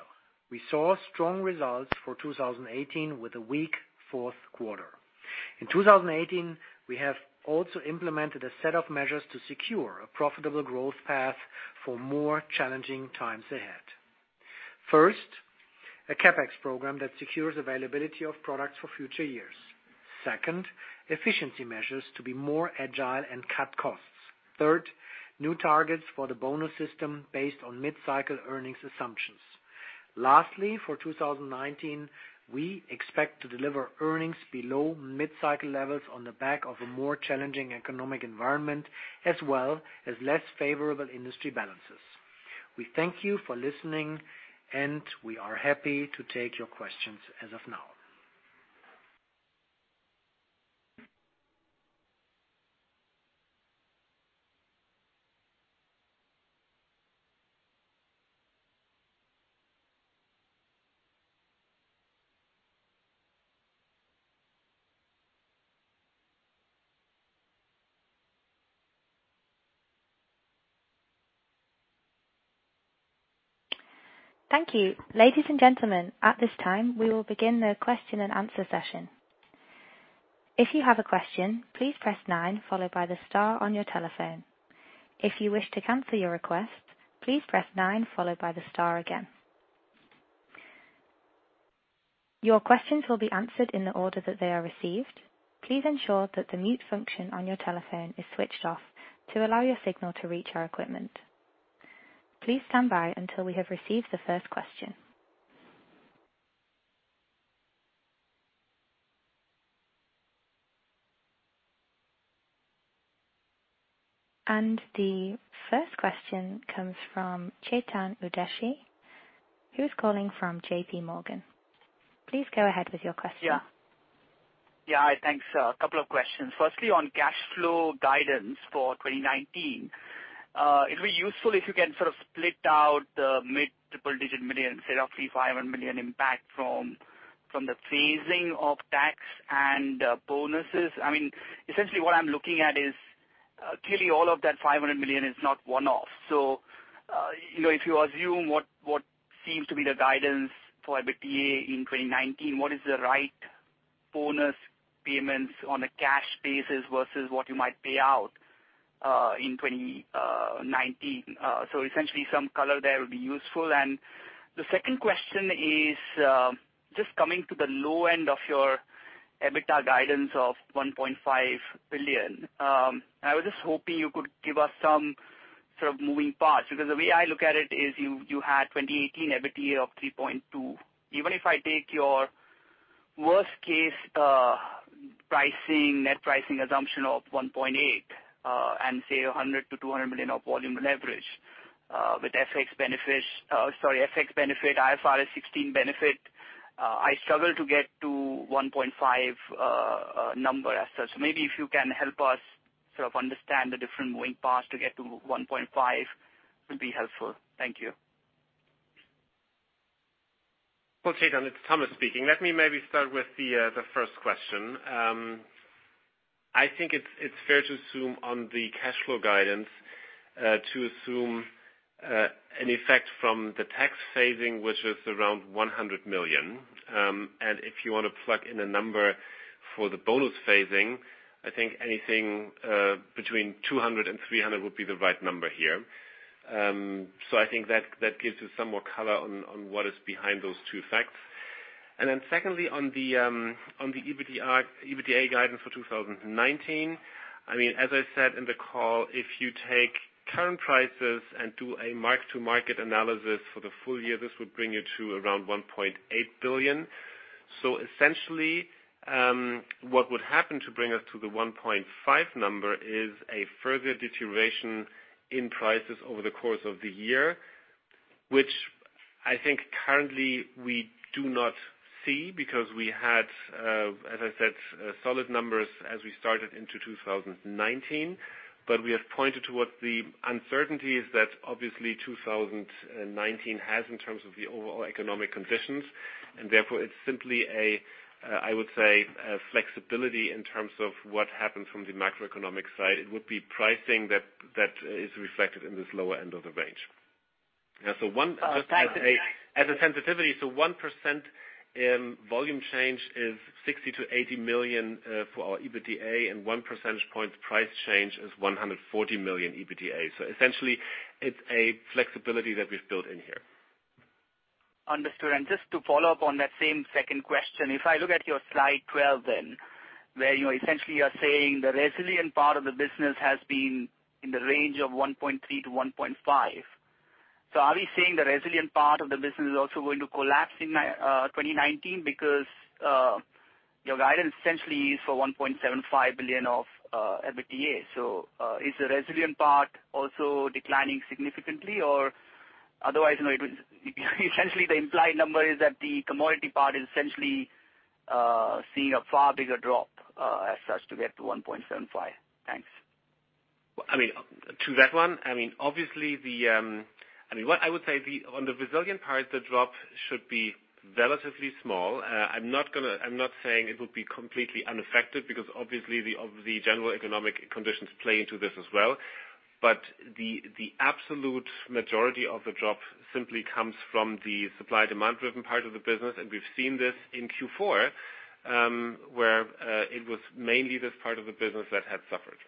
we saw strong results for 2018 with a weak fourth quarter. In 2018, we have also implemented a set of measures to secure a profitable growth path for more challenging times ahead. First, a CapEx program that secures availability of products for future years. Second, efficiency measures to be more agile and cut costs. Third, new targets for the bonus system based on mid-cycle earnings assumptions. Lastly, for 2019, we expect to deliver earnings below mid-cycle levels on the back of a more challenging economic environment, as well as less favorable industry balances. We thank you for listening, and we are happy to take your questions as of now. Thank you. Ladies and gentlemen, at this time, we will begin the question-and-answer session. If you have a question, please press nine followed by the star on your telephone. If you wish to cancel your request, please press nine followed by the star again. Your questions will be answered in the order that they are received. Please ensure that the mute function on your telephone is switched off to allow your signal to reach our equipment. Please stand by until we have received the first question. The first question comes from Chetan Udeshi, who is calling from JPMorgan. Please go ahead with your question. Yeah. Hi, thanks. A couple of questions. Firstly, on cash flow guidance for 2019, it'd be useful if you can sort of split out the mid to triple-digit million, say roughly 500 million impact from the phasing of tax and bonuses. Essentially, what I'm looking at is, clearly, all of that 500 million is not one-off. If you assume what seems to be the guidance for EBITDA in 2019, what is the right bonus payments on a cash basis versus what you might pay out in 2019. Essentially, some color there would be useful. The second question is just coming to the low end of your EBITDA guidance of 1.5 billion. I was just hoping you could give us some sort of moving parts, because the way I look at it is you had 2018 EBITDA of 3.2 billion. Even if I take your worst-case net pricing assumption of 1.8 billion, and say 100 million-200 million of volume leverage with FX benefit, IFRS 16 benefit, I struggle to get to 1.5 billion number as such. Maybe if you can help us sort of understand the different moving parts to get to 1.5 billion, it would be helpful. Thank you. Well, Chetan, it's Thomas speaking. Let me maybe start with the first question. I think it's fair to assume on the cash flow guidance, to assume an effect from the tax phasing, which is around 100 million. If you want to plug in a number for the bonus phasing, I think anything between 200 million and 300 million would be the right number here. I think that gives you some more color on what is behind those two effects. Secondly, on the EBITDA guidance for 2019, as I said in the call, if you take current prices and do a mark-to-market analysis for the full-year, this would bring you to around 1.8 billion. Essentially, what would happen to bring us to the 1.5 billion number is a further deterioration in prices over the course of the year, which I think currently we do not see because we had, as I said, solid numbers as we started into 2019. We have pointed towards the uncertainties that obviously 2019 has in terms of the overall economic conditions. Therefore, it's simply a, I would say, flexibility in terms of what happens from the macroeconomic side. It would be pricing that is reflected in this lower end of the range. As a sensitivity, 1% volume change is 60 million-80 million for our EBITDA, and 1 percentage point price change is 140 million EBITDA. Essentially, it's a flexibility that we've built in here. Understood. Just to follow up on that same second question, if I look at your slide 12, where essentially you're saying the resilient part of the business has been in the range of 1.3 billion-1.5 billion. Are we saying the resilient part of the business is also going to collapse in 2019? Your guidance essentially is for 1.75 billion of EBITDA. Is the resilient part also declining significantly? Otherwise essentially the implied number is that the commodity part is essentially seeing a far bigger drop as such to get to 1.75 billion. Thanks. To that one, I would say on the resilient part, the drop should be relatively small. I'm not saying it would be completely unaffected because obviously the general economic conditions play into this as well. The absolute majority of the drop simply comes from the supply-demand driven part of the business, and we've seen this in Q4, where it was mainly this part of the business that had suffered.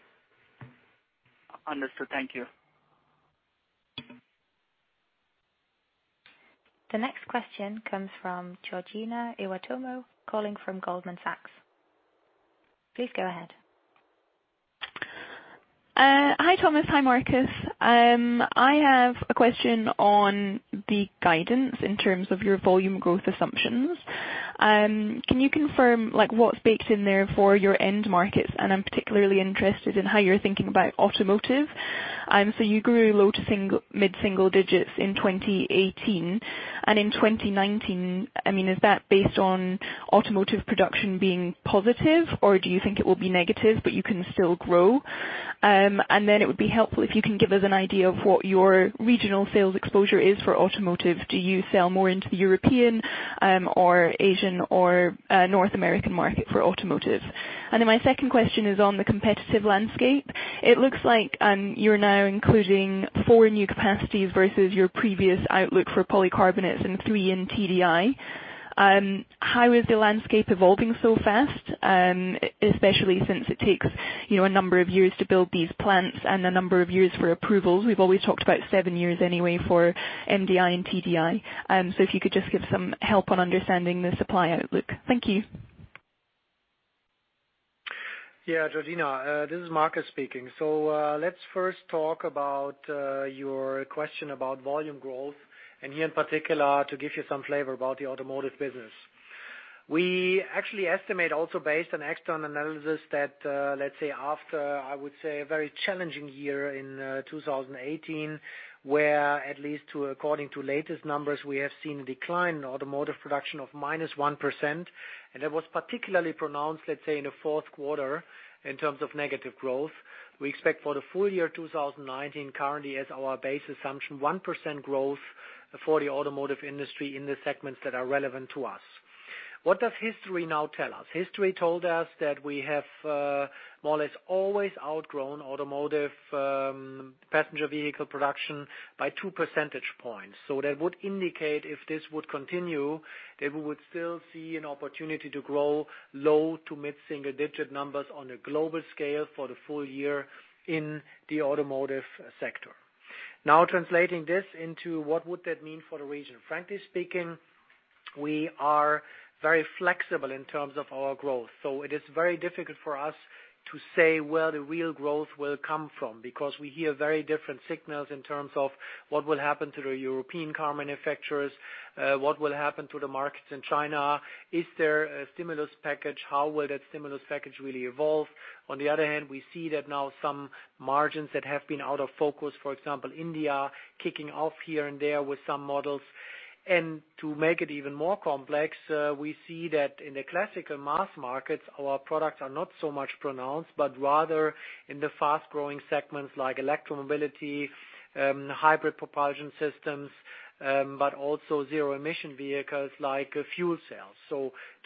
Understood. Thank you. The next question comes from Georgina Iwamoto, calling from Goldman Sachs. Please go ahead. Hi, Thomas. Hi, Markus. I have a question on the guidance in terms of your volume growth assumptions. Can you confirm what's baked in there for your end markets? I'm particularly interested in how you're thinking about automotive. You grew low to mid-single digits in 2018. In 2019, is that based on automotive production being positive, or do you think it will be negative, but you can still grow? It would be helpful if you can give us an idea of what your regional sales exposure is for automotive. Do you sell more into the European or Asian or North American market for automotive? My second question is on the competitive landscape. It looks like you're now including four new capacities versus your previous outlook for polycarbonates and three in TDI. How is the landscape evolving so fast, especially since it takes a number of years to build these plants and a number of years for approvals? We've always talked about seven years anyway for MDI and TDI. If you could just give some help on understanding the supply outlook. Thank you. Yeah, Georgina. This is Markus speaking. Let's first talk about your question about volume growth, and here in particular, to give you some flavor about the automotive business. We actually estimate also based on external analysis that, let's say, after a very challenging year in 2018, where at least according to latest numbers, we have seen a decline in automotive production of -1%. That was particularly pronounced, let's say, in the fourth quarter in terms of negative growth. We expect for the full-year 2019, currently as our base assumption, 1% growth for the automotive industry in the segments that are relevant to us. What does history now tell us? History told us that we have more or less always outgrown automotive passenger vehicle production by two percentage points. That would indicate if this would continue, that we would still see an opportunity to grow low to mid-single digit numbers on a global scale for the full-year in the automotive sector. Translating this into what would that mean for the region? Frankly speaking, we are very flexible in terms of our growth. It is very difficult for us to say where the real growth will come from, because we hear very different signals in terms of what will happen to the European car manufacturers, what will happen to the markets in China. Is there a stimulus package? How will that stimulus package really evolve? On the other hand, we see that now some margins that have been out of focus, for example, India, kicking off here and there with some models. To make it even more complex, we see that in the classical mass markets, our products are not so much pronounced, but rather in the fast-growing segments like electro mobility, hybrid propulsion systems, but also zero-emission vehicles like fuel cells.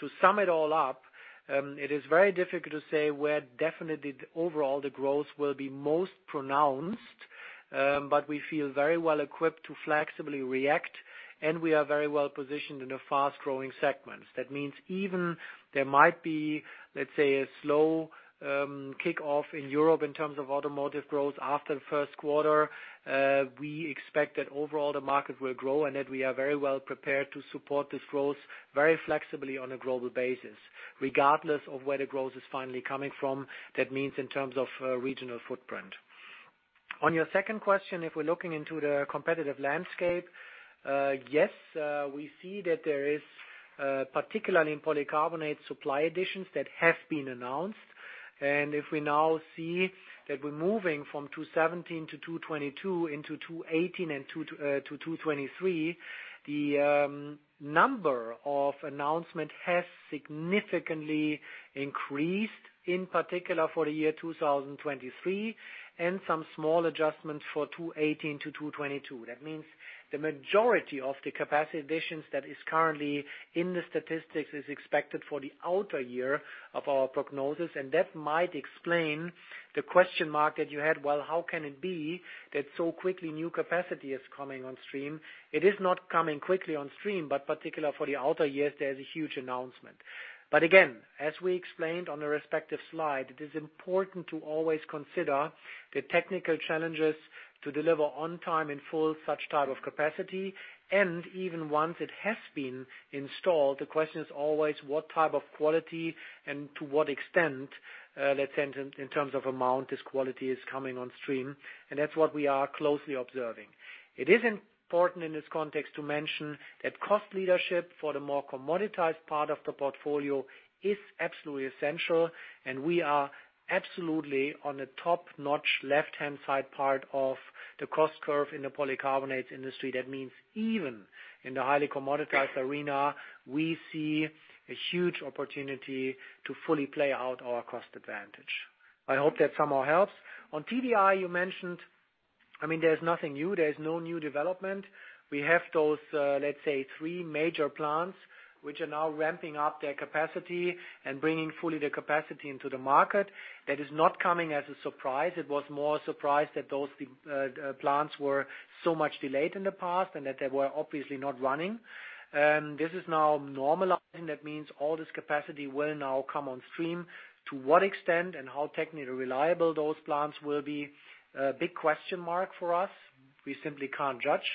To sum it all up, it is very difficult to say where definitely the overall growth will be most pronounced, but we feel very well equipped to flexibly react, and we are very well positioned in the fast-growing segments. That means even there might be, let's say, a slow kickoff in Europe in terms of automotive growth after the first quarter. We expect that overall the market will grow and that we are very well prepared to support this growth very flexibly on a global basis, regardless of where the growth is finally coming from. That means in terms of regional footprint. On your second question, if we're looking into the competitive landscape, yes, we see that there is, particularly in polycarbonate supply additions that have been announced. If we now see that we're moving from 2017 to 2022 into 2018 and to 2023, the number of announcements has significantly increased, in particular for the year 2023, and some small adjustments for 2018 to 2022. That means the majority of the capacity additions that is currently in the statistics is expected for the outer year of our prognosis, and that might explain the question mark that you had. How can it be that so quickly new capacity is coming on stream? It is not coming quickly on stream, particularly for the outer years, there's a huge announcement. Again, as we explained on the respective slide, it is important to always consider the technical challenges to deliver on time in full such type of capacity. Even once it has been installed, the question is always what type of quality and to what extent, let's say in terms of amount, this quality is coming on stream. That's what we are closely observing. It is important in this context to mention that cost leadership for the more commoditized part of the portfolio is absolutely essential, and we are absolutely on the top-notch left-hand side part of the cost curve in the polycarbonate industry. That means even in the highly commoditized arena, we see a huge opportunity to fully play out our cost advantage. I hope that somehow helps. On TDI, you mentioned, there's nothing new. There's no new development. We have those, let's say, three major plants, which are now ramping up their capacity and bringing fully the capacity into the market. That is not coming as a surprise. It was more surprise that those plants were so much delayed in the past and that they were obviously not running. This is now normalizing. That means all this capacity will now come on stream. To what extent and how technically reliable those plants will be, a big question mark for us. We simply can't judge.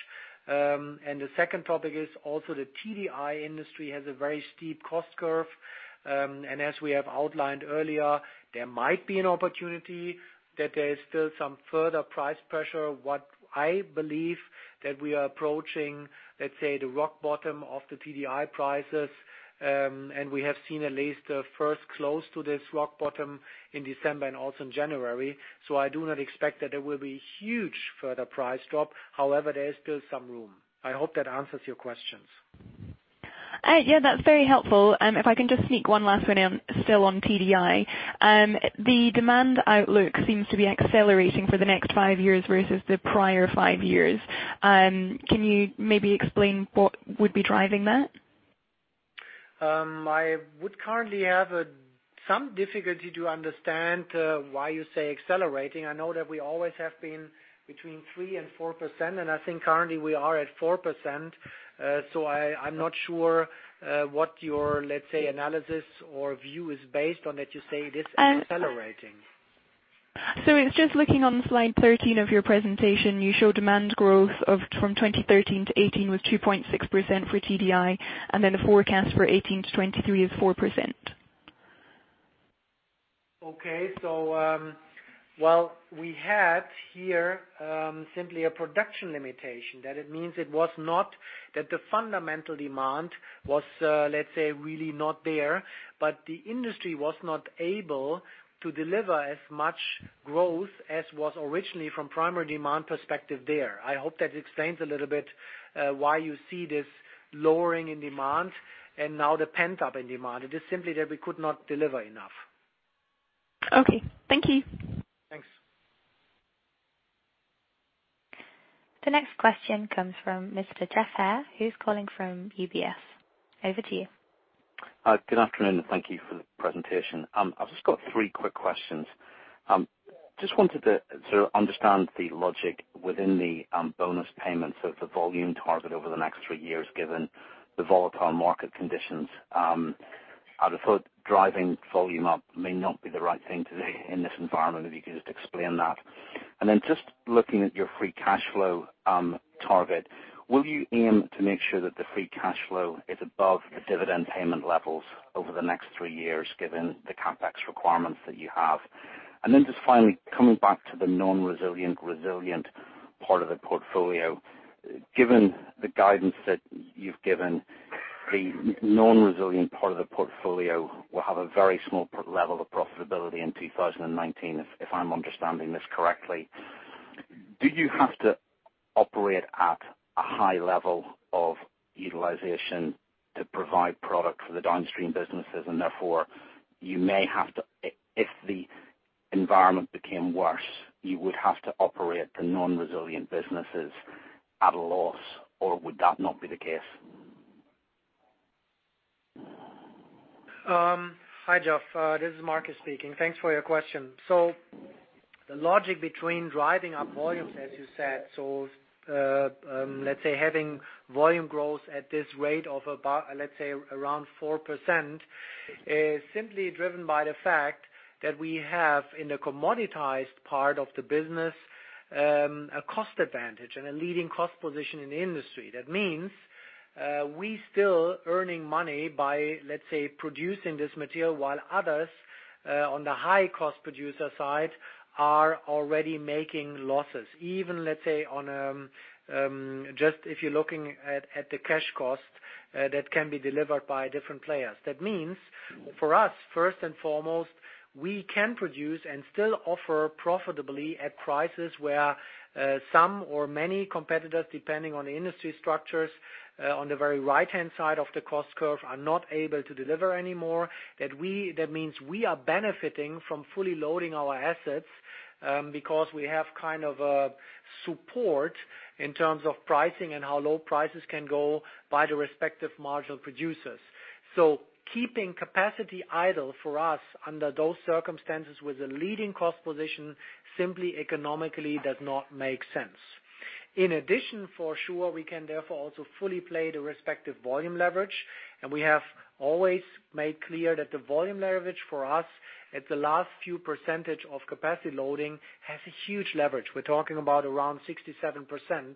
The second topic is also the TDI industry has a very steep cost curve. As we have outlined earlier, there might be an opportunity that there is still some further price pressure. What I believe that we are approaching, let's say, the rock bottom of the TDI prices, and we have seen at least the first close to this rock bottom in December and also in January. I do not expect that there will be huge further price drop. However, there is still some room. I hope that answers your questions. Yeah, that's very helpful. If I can just sneak one last one in still on TDI. The demand outlook seems to be accelerating for the next five years versus the prior five years. Can you maybe explain what would be driving that? I would currently have some difficulty to understand why you say accelerating. I know that we always have been between 3% and 4%, and I think currently we are at 4%. I'm not sure what your, let's say, analysis or view is based on that you say it is accelerating. It's just looking on slide 13 of your presentation, you show demand growth from 2013 to 2018 with 2.6% for TDI, and then the forecast for 2018 to 2023 is 4%. Okay. Well, we had here simply a production limitation. It means it was not that the fundamental demand was, let's say, really not there, but the industry was not able to deliver as much growth as was originally from primary demand perspective there. I hope that explains a little bit why you see this lowering in demand and now the pent-up in demand. It is simply that we could not deliver enough. Okay. Thank you. The next question comes from Mr. Geoff Haire, who's calling from UBS. Over to you. Good afternoon. Thank you for the presentation. I've just got three quick questions. Wanted to understand the logic within the bonus payments of the volume target over the next three years, given the volatile market conditions. I'd have thought driving volume up may not be the right thing to do in this environment, if you could just explain that. Looking at your free cash flow target, will you aim to make sure that the free cash flow is above the dividend payment levels over the next three years, given the CapEx requirements that you have? Finally coming back to the non-resilient, resilient part of the portfolio. Given the guidance that you've given, the non-resilient part of the portfolio will have a very small level of profitability in 2019, if I'm understanding this correctly. Do you have to operate at a high level of utilization to provide product for the downstream businesses and therefore, if the environment became worse, you would have to operate the non-resilient businesses at a loss or would that not be the case? Hi, Geoff. This is Markus speaking. Thanks for your question. The logic between driving up volumes, as you said, having volume growth at this rate of about around 4%, is simply driven by the fact that we have in the commoditized part of the business, a cost advantage and a leading cost position in the industry. We still earning money by producing this material while others, on the high-cost producer side are already making losses. Even if you're looking at the cash cost that can be delivered by different players. For us, first and foremost, we can produce and still offer profitably at prices where some or many competitors, depending on the industry structures, on the very right-hand side of the cost curve, are not able to deliver anymore. We are benefiting from fully loading our assets because we have kind of a support in terms of pricing and how low prices can go by the respective marginal producers. Keeping capacity idle for us under those circumstances with a leading cost position simply economically does not make sense. In addition, for sure, we can therefore also fully play the respective volume leverage. We have always made clear that the volume leverage for us at the last few percentage of capacity loading has a huge leverage. We're talking about around 67%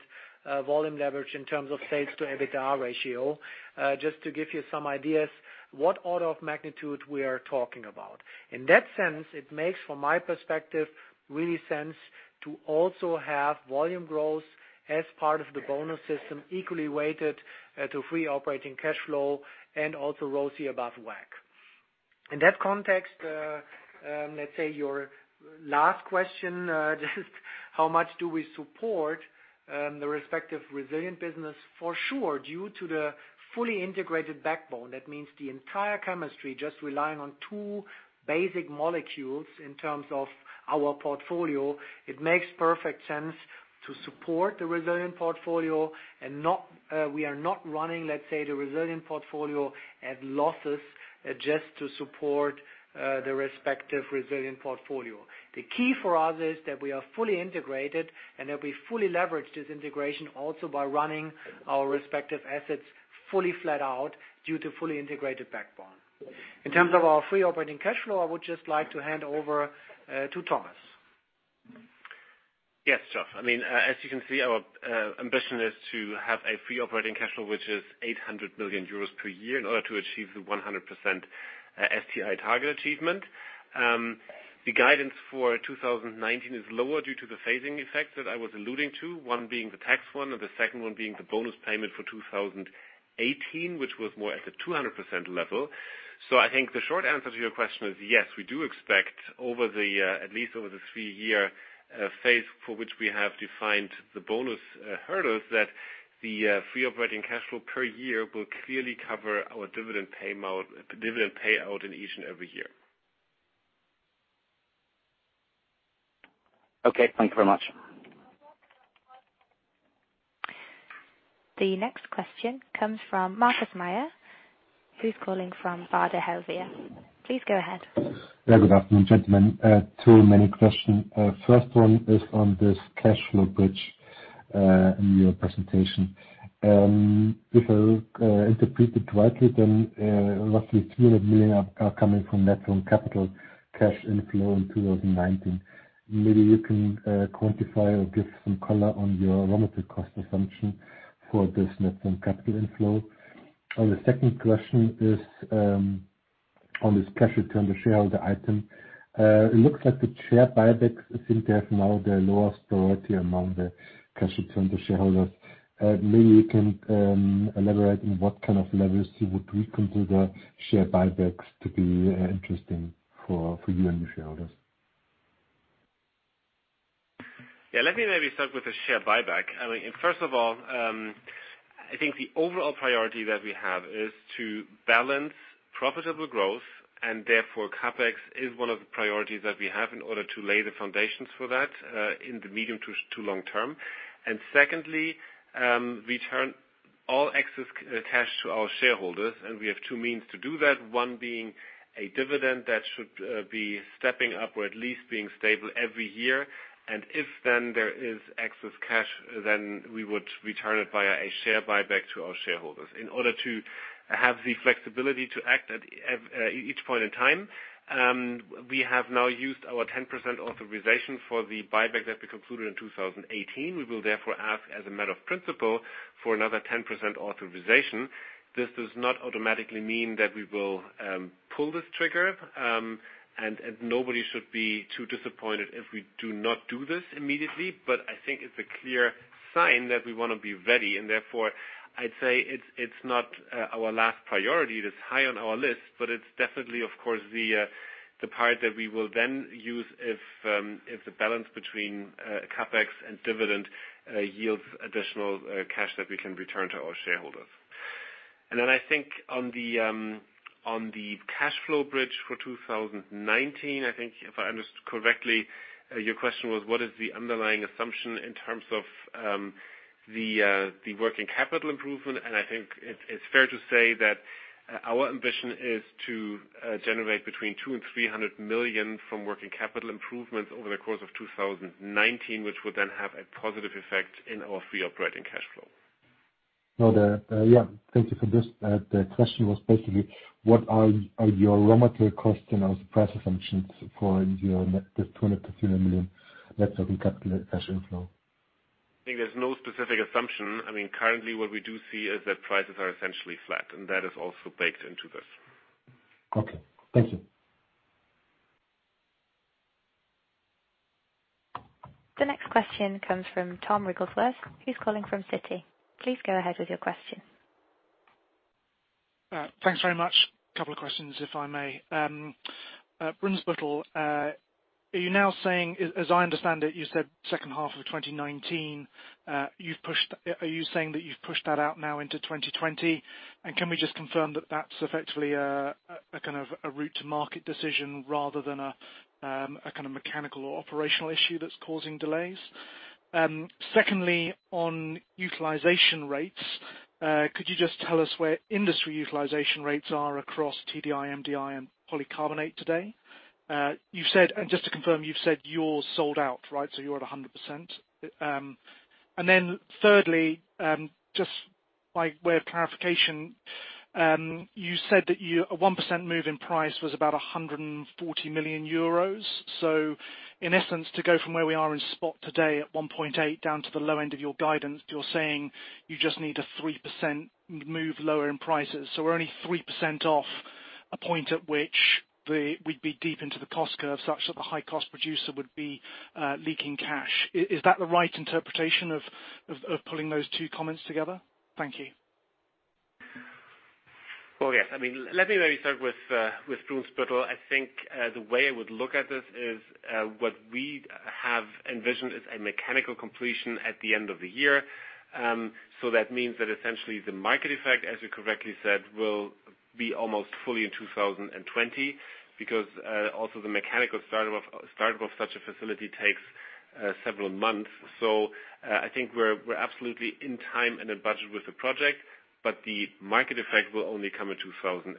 volume leverage in terms of sales to EBITDA ratio. To give you some ideas what order of magnitude we are talking about. In that sense, it makes, from my perspective, really sense to also have volume growth as part of the bonus system, equally weighted to free operating cash flow and also ROCE above WACC. In that context, let's say your last question, just how much do we support the respective resilient business? For sure, due to the fully integrated backbone, that means the entire chemistry just relying on two basic molecules in terms of our portfolio, it makes perfect sense to support the resilient portfolio and we are not running the resilient portfolio at losses just to support the respective resilient portfolio. The key for us is that we are fully integrated, and that we fully leverage this integration also by running our respective assets fully flat out due to fully integrated backbone. In terms of our free operating cash flow, I would just like to hand over to Thomas. Yes, Geoff. As you can see, our ambition is to have a free operating cash flow, which is 800 million euros per year in order to achieve the 100% STI target achievement. The guidance for 2019 is lower due to the phasing effects that I was alluding to, one being the tax one and the second one being the bonus payment for 2018, which was more at the 200% level. I think the short answer to your question is yes, we do expect at least over the three-year phase for which we have defined the bonus hurdles, that the free operating cash flow per year will clearly cover our dividend payout in each and every year. Okay. Thank you very much. The next question comes from Markus Mayer, who's calling from Baader Helvea. Please go ahead. Good afternoon, gentlemen. Two main questions. The first one is on this cash flow bridge in your presentation. Interpreted rightly, then roughly 300 million are coming from net working capital cash inflow in 2019. Maybe you can quantify or give some color on your underlying assumption for this net working capital inflow. The second question is on this cash return to shareholder item. It looks like the share buybacks seem to have now the lowest priority among the cash return to shareholders. Maybe you can elaborate on what kind of levels you would reconsider share buybacks to be interesting for you and your shareholders. Let me maybe start with the share buyback. First of all, I think the overall priority that we have is to balance profitable growth, and therefore, CapEx is one of the priorities that we have in order to lay the foundations for that in the medium to long term. Secondly, return all excess cash to our shareholders, and we have two means to do that. One being a dividend that should be stepping up or at least being stable every year. If then there is excess cash, then we would return it via a share buyback to our shareholders. In order to have the flexibility to act at each point in time, we have now used our 10% authorization for the buyback that we concluded in 2018. We will therefore ask as a matter of principle for another 10% authorization. This does not automatically mean that we will pull this trigger. Nobody should be too disappointed if we do not do this immediately. I think it's a clear sign that we want to be ready, and therefore, I'd say it's not our last priority. It is high on our list, it's definitely, of course, the part that we will then use if the balance between CapEx and dividend yields additional cash that we can return to our shareholders. I think on the cash flow bridge for 2019, I think if I understood correctly, your question was, what is the underlying assumption in terms of the working capital improvement? I think it's fair to say that our ambition is to generate between 200 million and 300 million from working capital improvements over the course of 2019, which would then have a positive effect on our free operating cash flow. Yeah. Thank you for this. The question was basically, what are your raw material costs and price assumptions for the 200 million-300 million net working capital cash inflow? I think there's no specific assumption. Currently, what we do see is that prices are essentially flat, and that is also baked into this. Okay. Thank you. The next question comes from Thomas Wrigglesworth, who's calling from Citi. Please go ahead with your question. Thanks very much. Couple of questions, if I may. Brunsbüttel, are you now saying As I understand it, you said second half of 2019. Are you saying that you've pushed that out now into 2020? Can we just confirm that that's effectively a route to market decision rather than a mechanical or operational issue that's causing delays? Secondly, on utilization rates, could you just tell us where industry utilization rates are across TDI, MDI, and polycarbonate today? Just to confirm, you've said you're sold out, right? You're at 100%. Thirdly, just by way of clarification, you said that a 1% move in price was about 140 million euros. In essence, to go from where we are in spot today at 1.8 down to the low end of your guidance, you're saying you just need a 3% move lower in prices. We're only 3% off a point at which we'd be deep into the cost curve, such that the high-cost producer would be leaking cash. Is that the right interpretation of pulling those two comments together? Thank you. Well, yes. Let me maybe start with Brunsbüttel. I think the way I would look at this is, what we have envisioned is a mechanical completion at the end of the year. That means that essentially the market effect, as you correctly said, will be almost fully in 2020, because also the mechanical startup of such a facility takes several months. I think we're absolutely in time and in budget with the project, but the market effect will only come in 2020.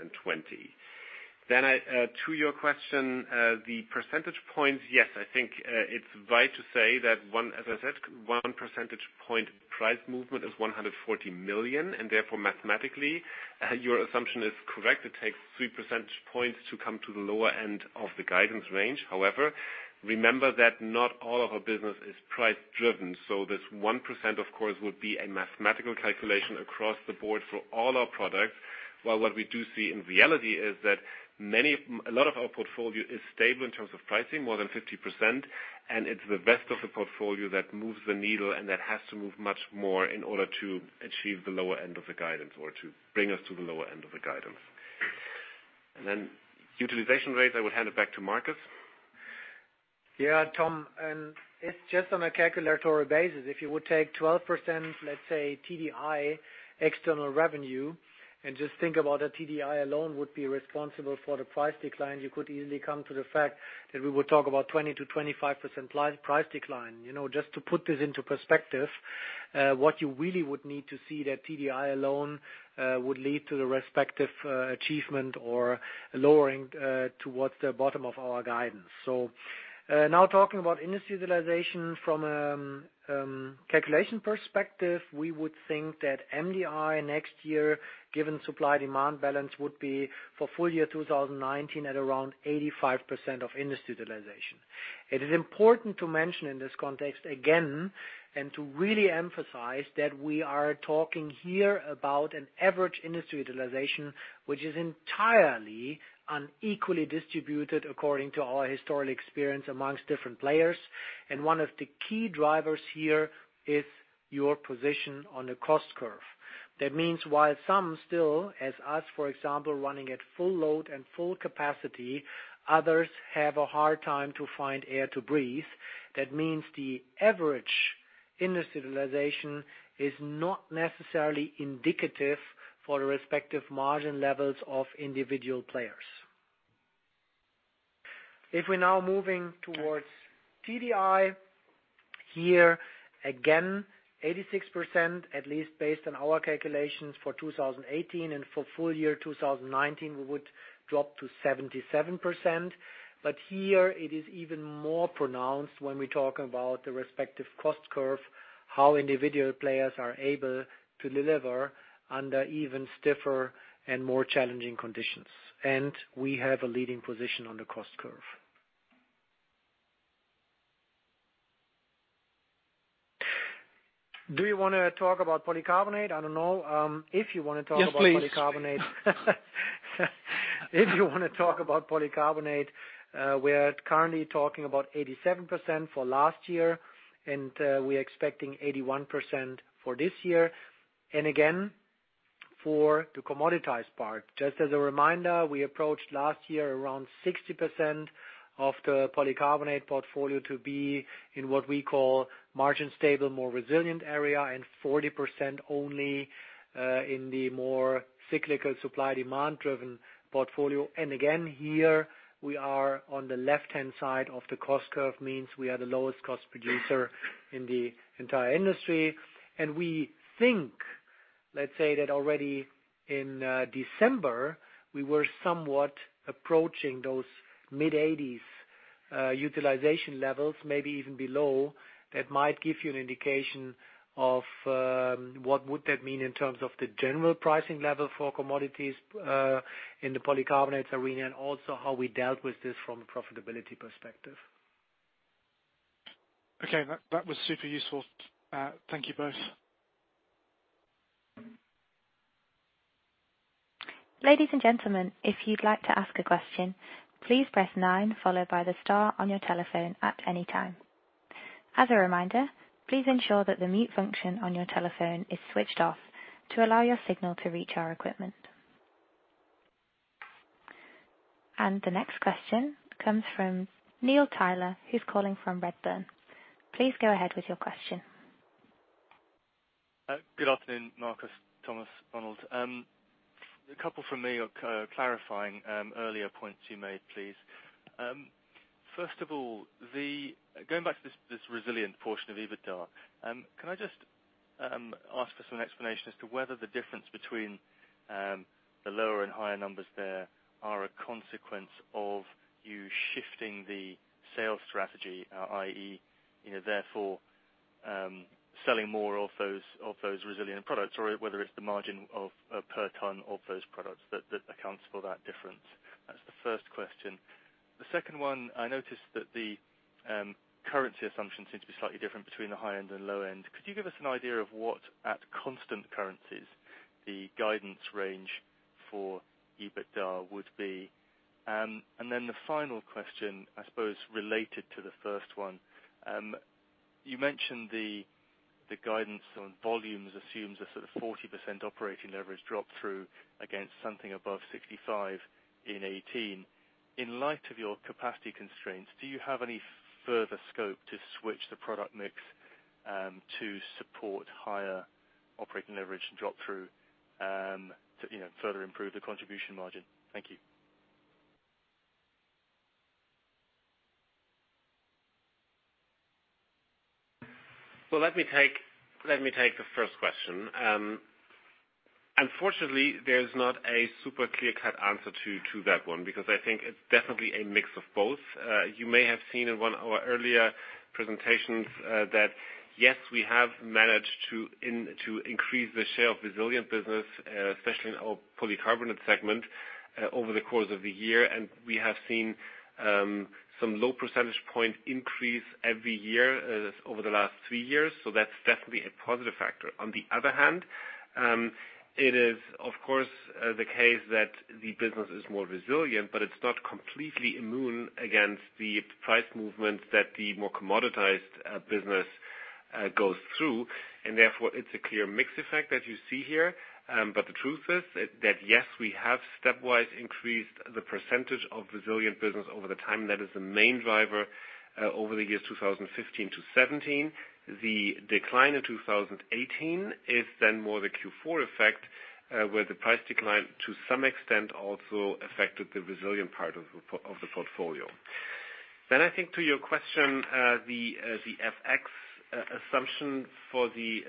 To your question, the percentage points, yes, I think it's right to say that one, as I said, one percentage point price movement is 140 million, and therefore mathematically, your assumption is correct. It takes three percentage points to come to the lower end of the guidance range. However, remember that not all of our business is price-driven. This 1%, of course, would be a mathematical calculation across the board for all our products. While what we do see in reality is that a lot of our portfolio is stable in terms of pricing, more than 50%, and it's the rest of the portfolio that moves the needle and that has to move much more in order to achieve the lower end of the guidance or to bring us to the lower end of the guidance. Utilization rates, I would hand it back to Markus. Tom, it's just on a calculatory basis. If you would take 12% let's say, TDI external revenue and just think about the TDI alone would be responsible for the price decline, you could easily come to the fact that we would talk about 20%-25% price decline. Just to put this into perspective, what you really would need to see that TDI alone would lead to the respective achievement or lowering towards the bottom of our guidance. Now talking about industry utilization from a calculation perspective, we would think that MDI next year, given supply-demand balance, would be for full-year 2019 at around 85% of industry utilization. It is important to mention in this context again, and to really emphasize that we are talking here about an average industry utilization, which is entirely unequally distributed according to our historical experience amongst different players. One of the key drivers here is your position on the cost curve. That means while some still, as us, for example, running at full load and full capacity, others have a hard time to find air to breathe. That means the average Industry utilization is not necessarily indicative for the respective margin levels of individual players. If we're now moving towards TDI, here again, 86%, at least based on our calculations for 2018, and for full-year 2019, we would drop to 77%. Here it is even more pronounced when we talk about the respective cost curve, how individual players are able to deliver under even stiffer and more challenging conditions. We have a leading position on the cost curve. Do you want to talk about polycarbonate? I don't know. Yes, please Polycarbonate. If you want to talk about polycarbonate, we are currently talking about 87% for last year, and we're expecting 81% for this year. Again, for the commoditized part. Just as a reminder, we approached last year around 60% of the polycarbonate portfolio to be in what we call margin stable, more resilient area, and 40% only in the more cyclical supply demand driven portfolio. Again, here we are on the left-hand side of the cost curve, means we are the lowest cost producer in the entire industry. We think, let's say that already in December, we were somewhat approaching those mid-80s utilization levels, maybe even below. That might give you an indication of what would that mean in terms of the general pricing level for commodities in the polycarbonates arena, and also how we dealt with this from a profitability perspective. Okay. That was super useful. Thank you both. Ladies and gentlemen, if you'd like to ask a question, please press nine followed by the star on your telephone at any time. As a reminder, please ensure that the mute function on your telephone is switched off to allow your signal to reach our equipment. The next question comes from Neil Tyler, who's calling from Redburn. Please go ahead with your question. Good afternoon, Markus, Thomas, Ronald. A couple from me clarifying earlier points you made, please. First of all, going back to this resilient portion of EBITDA, can I just ask for some explanation as to whether the difference between the lower and higher numbers there are a consequence of you shifting the sales strategy, i.e., therefore selling more of those resilient products, or whether it's the margin of per ton of those products that accounts for that difference? That's the first question. The second one, I noticed that the currency assumptions seem to be slightly different between the high end and low end. Could you give us an idea of what, at constant currencies, the guidance range for EBITDA would be? Then the final question, I suppose, related to the first one. You mentioned the guidance on volumes assumes a sort of 40% operating leverage drop-through against something above 65% in 2018. In light of your capacity constraints, do you have any further scope to switch the product mix to support higher operating leverage drop-through to further improve the contribution margin? Thank you. Let me take the first question. Unfortunately, there's not a super clear-cut answer to that one, because I think it's definitely a mix of both. You may have seen in one of our earlier presentations that, yes, we have managed to increase the share of resilient business, especially in our Polycarbonates segment, over the course of the year. We have seen some low percentage point increase every year over the last three years. That's definitely a positive factor. On the other hand, it is, of course, the case that the business is more resilient, but it's not completely immune against the price movements that the more commoditized business goes through. Therefore, it's a clear mix effect that you see here. The truth is that, yes, we have stepwise increased the percentage of resilient business over the time. That is the main driver over the years 2015 to 2017. The decline in 2018 is more the Q4 effect, where the price decline to some extent also affected the resilient part of the portfolio. I think to your question, the FX assumption for the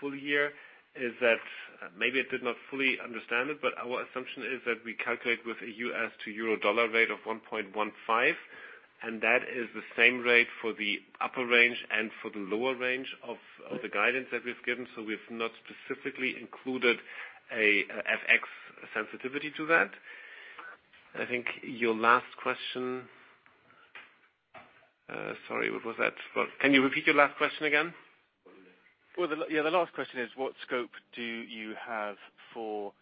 full-year is that, maybe I did not fully understand it, our assumption is that we calculate with a U.S. to EUR rate of 1.15, and that is the same rate for the upper range and for the lower range of the guidance that we've given. We've not specifically included an FX sensitivity to that. I think your last question. Sorry, what was that? Can you repeat your last question again? Well, the last question is what scope do you have to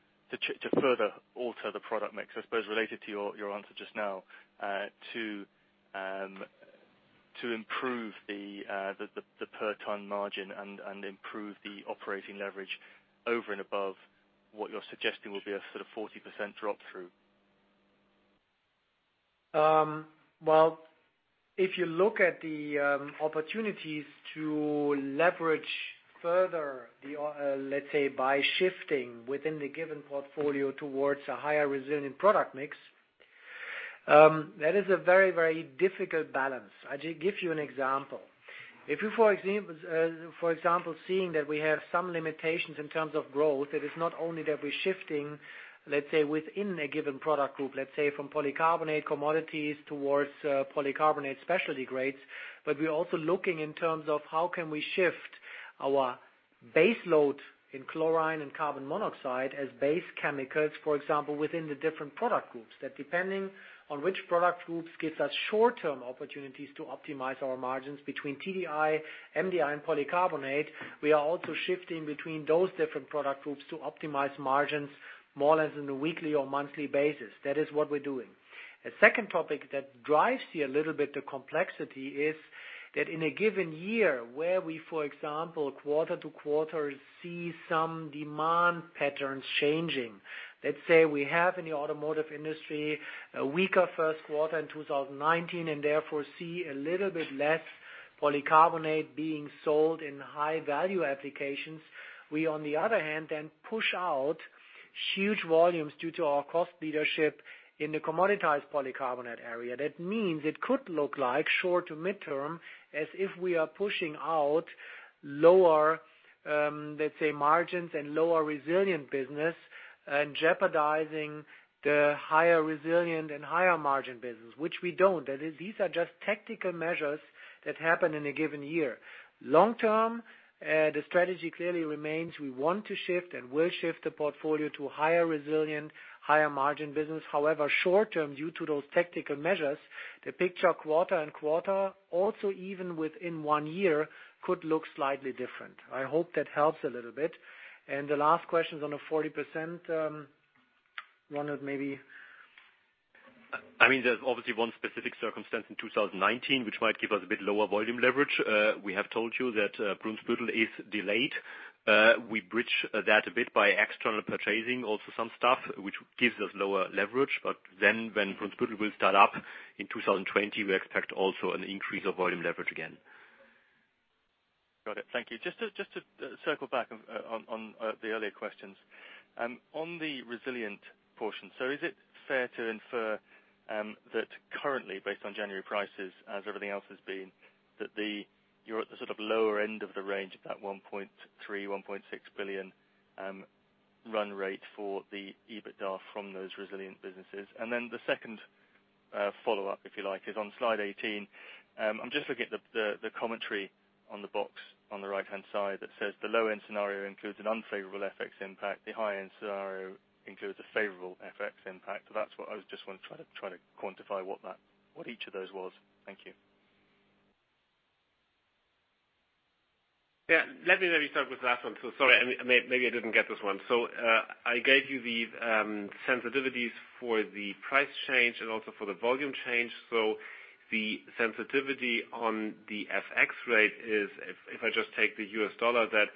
further alter the product mix, I suppose, related to your answer just now, to improve the per ton margin and improve the operating leverage over and above what you're suggesting will be a sort of 40% drop-through? Well, if you look at the opportunities to leverage further, let's say, by shifting within the given portfolio towards a higher resilient product mix, that is a very difficult balance. I'll give you an example. If you, for example, see that we have some limitations in terms of growth, it is not only that we're shifting, let's say, within a given product group. Let's say from polycarbonate commodities towards polycarbonate specialty grades. We're also looking in terms of how can we shift our base load in chlorine and carbon monoxide as base chemicals, for example, within the different product groups, that depending on which product groups gives us short-term opportunities to optimize our margins between TDI, MDI, and polycarbonate. We are also shifting between those different product groups to optimize margins more or less on a weekly or monthly basis. That is what we're doing. A second topic that drives here a little bit the complexity is that in a given year where we, for example, quarter to quarter see some demand patterns changing. Let's say we have in the automotive industry a weaker first quarter in 2019, therefore see a little bit less polycarbonate being sold in high-value applications. We, on the other hand, then push out huge volumes due to our cost leadership in the commoditized polycarbonate area. That means it could look like short to mid-term as if we are pushing out lower, let's say, margins and lower resilient business and jeopardizing the higher resilient and higher margin business, which we don't. These are just tactical measures that happen in a given year. Long term, the strategy clearly remains, we want to shift and will shift the portfolio to higher resilient, higher margin business. However, short term, due to those tactical measures, the picture quarter and quarter, also even within one year, could look slightly different. I hope that helps a little bit. The last question is on the 40%, Ronald, maybe. There's obviously one specific circumstance in 2019 which might give us a bit lower volume leverage. We have told you that Brunsbüttel is delayed. We bridge that a bit by external purchasing also some stuff, which gives us lower leverage. When Brunsbüttel will start up in 2020, we expect also an increase of volume leverage again. Got it. Thank you. Just to circle back on the earlier questions. On the resilient portion, is it fair to infer that currently, based on January prices, as everything else has been, that you're at the lower end of the range of that 1.3 billion-1.6 billion run rate for the EBITDA from those resilient businesses? The second follow-up, if you like, is on slide 18. I'm just looking at the commentary on the box on the right-hand side that says the low-end scenario includes an unfavorable FX impact. The high-end scenario includes a favorable FX impact. I just want to try to quantify what each of those was. Thank you. Let me maybe start with the last one. Sorry, maybe I didn't get this one. I gave you the sensitivities for the price change and also for the volume change. The sensitivity on the FX rate is, if I just take the US dollar, that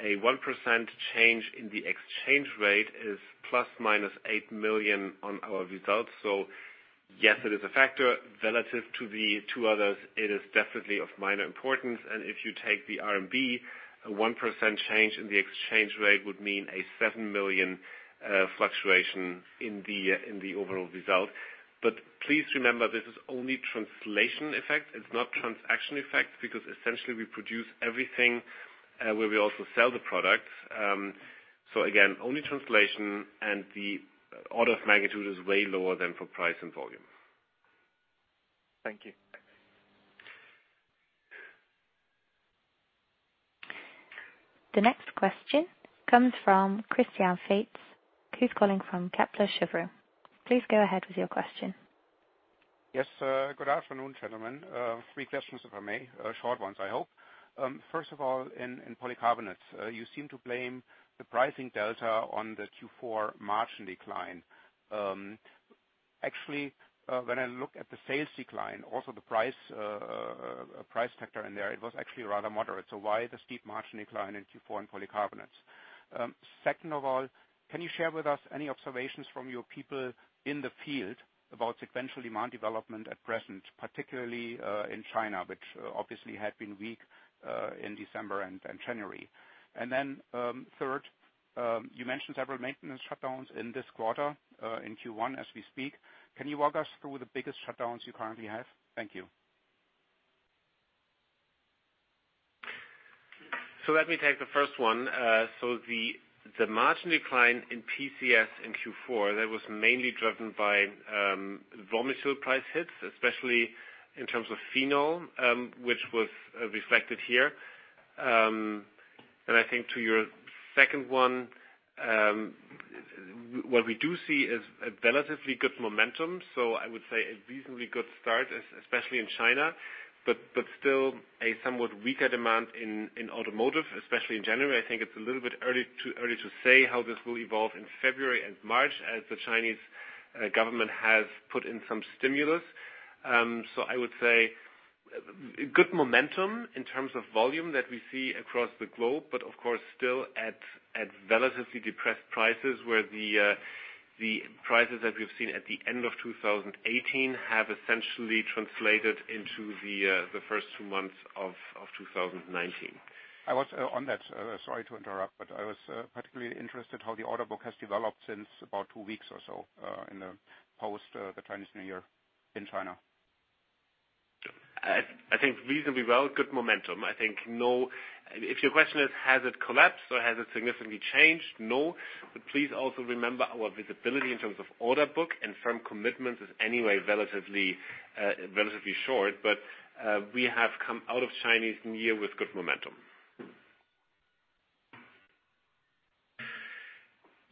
a 1% change in the exchange rate is ±8 million on our results. Yes, it is a factor. Relative to the two others, it is definitely of minor importance, and if you take the RMB, a 1% change in the exchange rate would mean a 7 million fluctuation in the overall result. Please remember, this is only translation effect. It's not transaction effect because essentially we produce everything where we also sell the product. Again, only translation and the order of magnitude is way lower than for price and volume. Thank you. The next question comes from Christian Faitz, who's calling from Kepler Cheuvreux. Please go ahead with your question. Yes, good afternoon, gentlemen. Three questions, if I may. Short ones, I hope. First of all, in polycarbonates, you seem to blame the pricing delta on the Q4 margin decline. Actually, when I look at the sales decline, also the price factor in there, it was actually rather moderate. Why the steep margin decline in Q4 in polycarbonates? Second of all, can you share with us any observations from your people in the field about sequential demand development at present, particularly, in China, which obviously had been weak in December and January? Third, you mentioned several maintenance shutdowns in this quarter, in Q1 as we speak. Can you walk us through the biggest shutdowns you currently have? Thank you. Let me take the first one. The margin decline in PCS in Q4, that was mainly driven by raw material price hits, especially in terms of phenol, which was reflected here. I think to your second one, what we do see is a relatively good momentum. I would say a reasonably good start, especially in China, but still a somewhat weaker demand in automotive, especially in January. I think it's a little bit too early to say how this will evolve in February and March as the Chinese government has put in some stimulus. I would say good momentum in terms of volume that we see across the globe, but of course still at relatively depressed prices, where the prices that we've seen at the end of 2018 have essentially translated into the first two months of 2019. I was on that. Sorry to interrupt, I was particularly interested how the order book has developed since about two weeks or so in the post, the Chinese New Year in China. I think reasonably well. Good momentum. I think If your question is, has it collapsed or has it significantly changed? No. Please also remember our visibility in terms of order book and firm commitment is anyway relatively short, but we have come out of Chinese New Year with good momentum.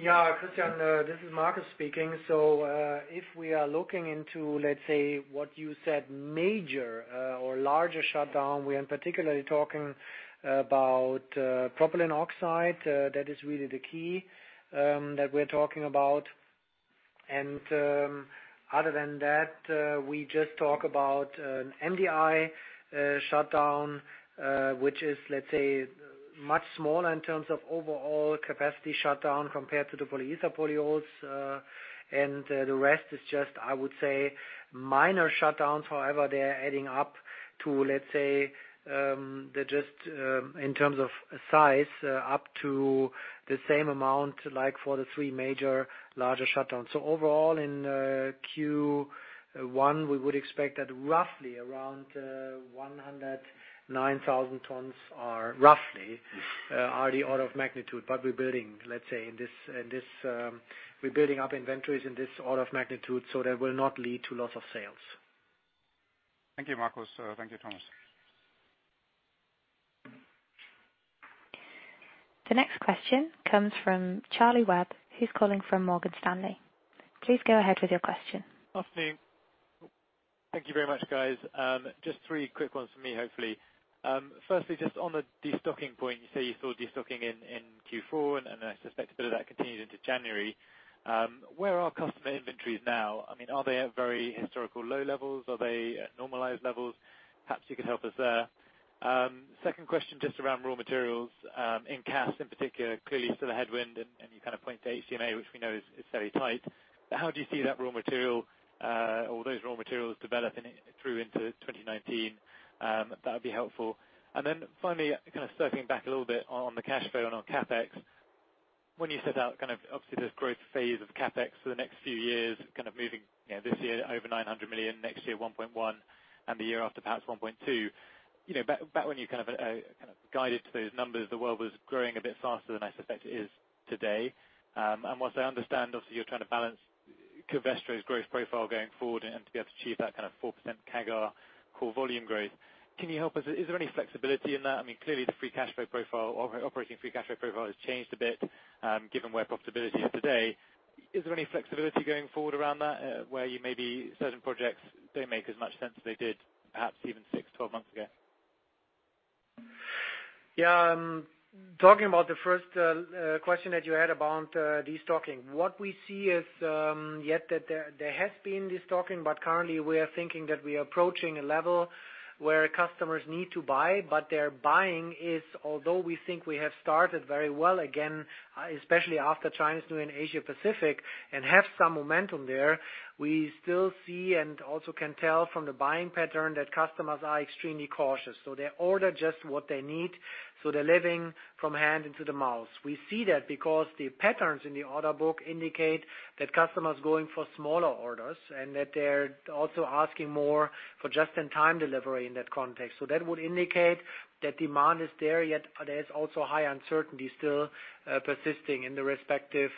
Christian, this is Markus speaking. If we are looking into, let's say, what you said, major or larger shutdown, we are in particular talking about propylene oxide. That is really the key that we're talking about. Other than that, we just talk about an MDI shutdown, which is, let's say, much smaller in terms of overall capacity shutdown compared to the polyether polyols. The rest is just, I would say, minor shutdowns. However, they're adding up to, let's say, they're just in terms of size, up to the same amount, like for the three major larger shutdowns. Overall in Q1, we would expect that roughly around 109,000 tons are roughly the order of magnitude. We're building, let's say, up inventories in this order of magnitude, that will not lead to loss of sales. Thank you, Markus. Thank you, Thomas. The next question comes from Charlie Webb, who's calling from Morgan Stanley. Please go ahead with your question. Afternoon. Thank you very much, guys. Just three quick ones for me, hopefully. Firstly, just on the destocking point, you say you saw destocking in Q4, I suspect a bit of that continued into January. Where are customer inventories now? I mean, are they at very historical low levels? Are they at normalized levels? Perhaps you could help us there. Second question, just around raw materials, in CAS in particular, clearly still a headwind, you kind of point to HMDA, which we know is very tight. How do you see that raw material or those raw materials developing through into 2019? That'd be helpful. Finally, kind of circling back a little bit on the cash flow and on CapEx, when you set out kind of obviously this growth phase of CapEx for the next few years, kind of moving this year over 900 million, next year 1.1 billion, and the year after perhaps 1.2 billion. Back when you kind of guided to those numbers, the world was growing a bit faster than I suspect it is today. Whilst I understand also you're trying to balance Covestro's growth profile going forward and to be able to achieve that kind of 4% CAGR core volume growth. Can you help us? Is there any flexibility in that? I mean, clearly the free cash flow profile, operating free cash flow profile has changed a bit, given where profitability is today. Is there any flexibility going forward around that, where you may be certain projects don't make as much sense as they did, perhaps even six, 12 months ago? Yeah. Talking about the first question that you had about destocking. What we see is, yet that there has been destocking, currently we are thinking that we are approaching a level where customers need to buy, but their buying is, although we think we have started very well, again, especially after Chinese New Year in Asia Pacific and have some momentum there, we still see and also can tell from the buying pattern that customers are extremely cautious. They order just what they need, they're living from hand into the mouth. We see that because the patterns in the order book indicate that customers going for smaller orders and that they're also asking more for just-in-time delivery in that context. That would indicate that demand is there, yet there is also high uncertainty still persisting in the respective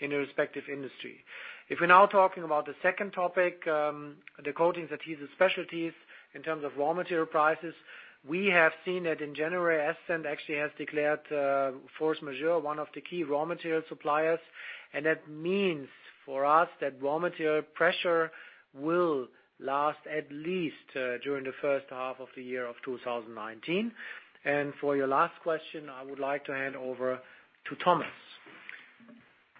industry. If we're now talking about the second topic, the coatings adhesive specialties in terms of raw material prices. We have seen that in January, Ascend actually has declared force majeure one of the key raw material suppliers, and that means for us that raw material pressure will last at least during the first half of the year of 2019. For your last question, I would like to hand over to Thomas.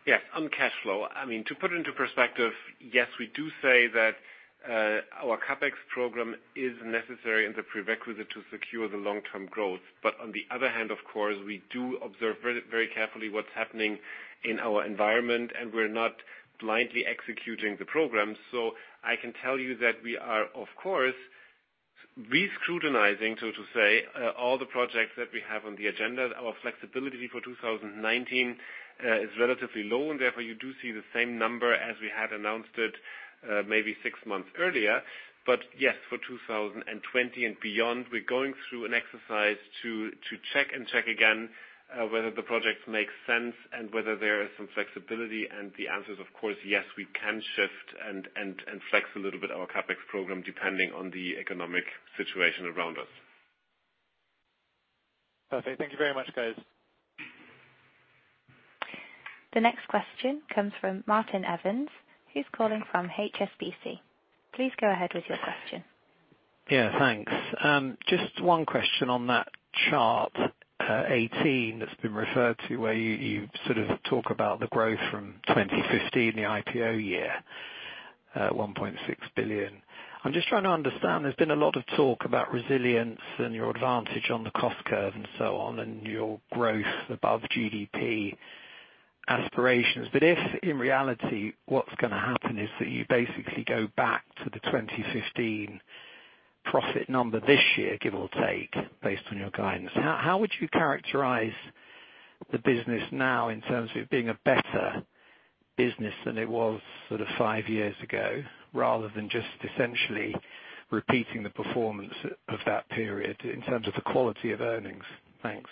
Yes. On cash flow. I mean, to put into perspective, yes, we do say that our CapEx program is necessary and the prerequisite to secure the long-term growth. On the other hand, of course, we do observe very carefully what's happening in our environment, and we're not blindly executing the programs. I can tell you that we are, of course, re-scrutinizing, so to say, all the projects that we have on the agenda. Our flexibility for 2019 is relatively low, and therefore, you do see the same number as we had announced it maybe six months earlier. Yes, for 2020 and beyond, we're going through an exercise to check and check again whether the projects make sense and whether there is some flexibility. The answer is, of course, yes, we can shift and flex a little bit our CapEx program depending on the economic situation around us. Okay. Thank you very much, guys. The next question comes from Martin Evans, who's calling from HSBC. Please go ahead with your question. Yeah, thanks. Just one question on that Chart 18 that's been referred to, where you sort of talk about the growth from 2015, the IPO year, 1.6 billion. I'm just trying to understand, there's been a lot of talk about resilience and your advantage on the cost curve and so on, and your growth above GDP aspirations. If, in reality, what's going to happen is that you basically go back to the 2015 profit number this year, give or take, based on your guidance, how would you characterize the business now in terms of it being a better business than it was five years ago, rather than just essentially repeating the performance of that period in terms of the quality of earnings? Thanks.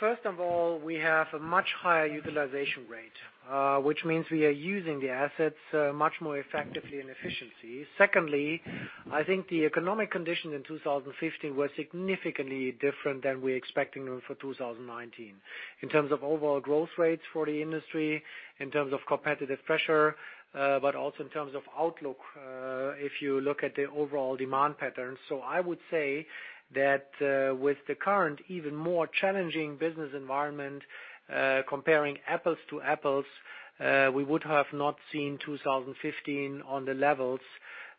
First of all, we have a much higher utilization rate, which means we are using the assets much more effectively and efficiently. Secondly, I think the economic conditions in 2015 were significantly different than we're expecting them for 2019. In terms of overall growth rates for the industry, in terms of competitive pressure, also in terms of outlook, if you look at the overall demand patterns. I would say that with the current even more challenging business environment, comparing apples to apples, we would have not seen 2015 on the levels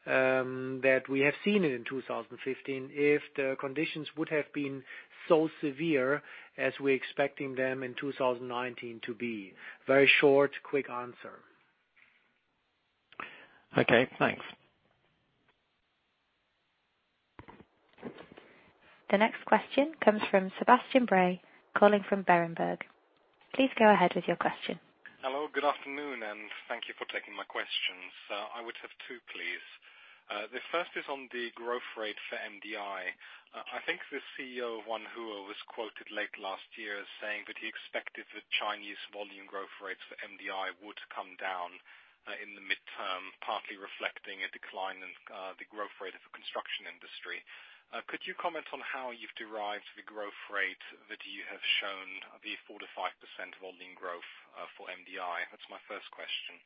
that we have seen it in 2015 if the conditions would have been so severe as we're expecting them in 2019 to be. Very short, quick answer. Okay, thanks. The next question comes from Sebastian Bray, calling from Berenberg. Please go ahead with your question. Hello, good afternoon, and thank you for taking my questions. I would have two, please. The first is on the growth rate for MDI. I think the CEO of Wanhua was quoted late last year as saying that he expected the Chinese volume growth rates for MDI would come down in the midterm, partly reflecting a decline in the growth rate of the construction industry. Could you comment on how you've derived the growth rate that you have shown, the 4%-5% volume growth for MDI? That's my first question.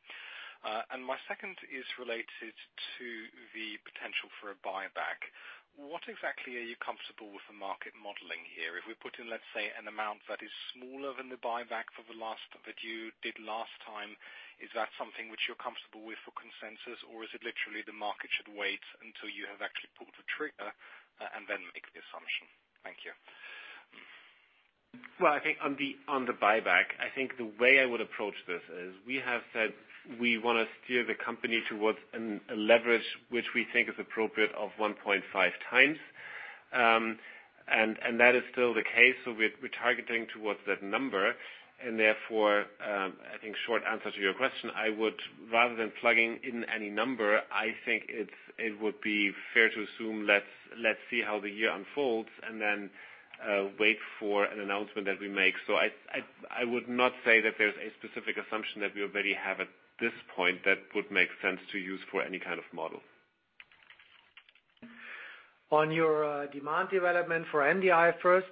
My second is related to the potential for a buyback. What exactly are you comfortable with the market modeling here? If we put in, let's say, an amount that is smaller than the buyback that you did last time, is that something which you're comfortable with for consensus, or is it literally the market should wait until you have actually pulled the trigger, and then make the assumption? Thank you. Well, I think on the buyback, I think the way I would approach this is we have said we want to steer the company towards a leverage which we think is appropriate of 1.5x. That is still the case. We're targeting towards that number. I think short answer to your question, I would, rather than plugging in any number, I think it would be fair to assume let's see how the year unfolds and then wait for an announcement that we make. I would not say that there's a specific assumption that we already have at this point that would make sense to use for any kind of model. On your demand development for MDI first,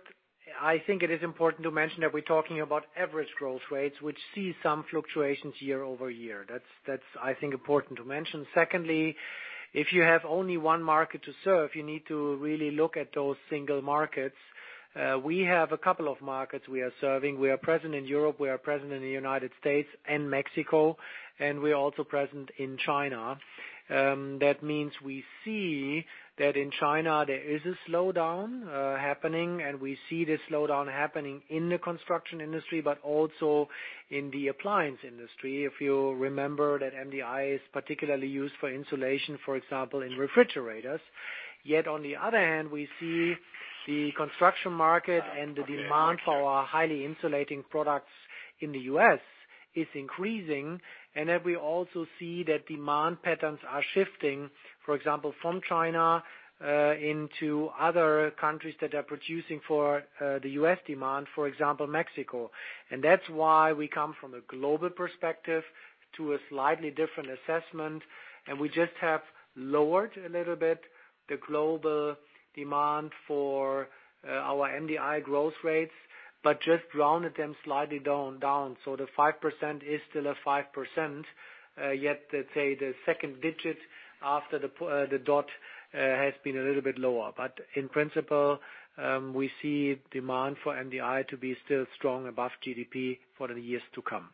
I think it is important to mention that we're talking about average growth rates, which see some fluctuations year-over-year. That's, I think important to mention. Secondly, if you have only one market to serve, you need to really look at those single markets. We have a couple of markets we are serving. We are present in Europe, we are present in the U.S. and Mexico, we are also present in China. That means we see that in China, there is a slowdown happening, and we see this slowdown happening in the construction industry, but also in the appliance industry. If you remember that MDI is particularly used for insulation, for example, in refrigerators. Yet on the other hand, we see the construction market and the demand for our highly insulating products in the U.S. is increasing. We also see that demand patterns are shifting, for example, from China into other countries that are producing for the U.S. demand, for example, Mexico. That's why we come from a global perspective to a slightly different assessment. We just have lowered a little bit the global demand for our MDI growth rates, but just rounded them slightly down. So the 5% is still a 5%, yet, let's say the second digit after the dot has been a little bit lower. In principle, we see demand for MDI to be still strong above GDP for the years to come.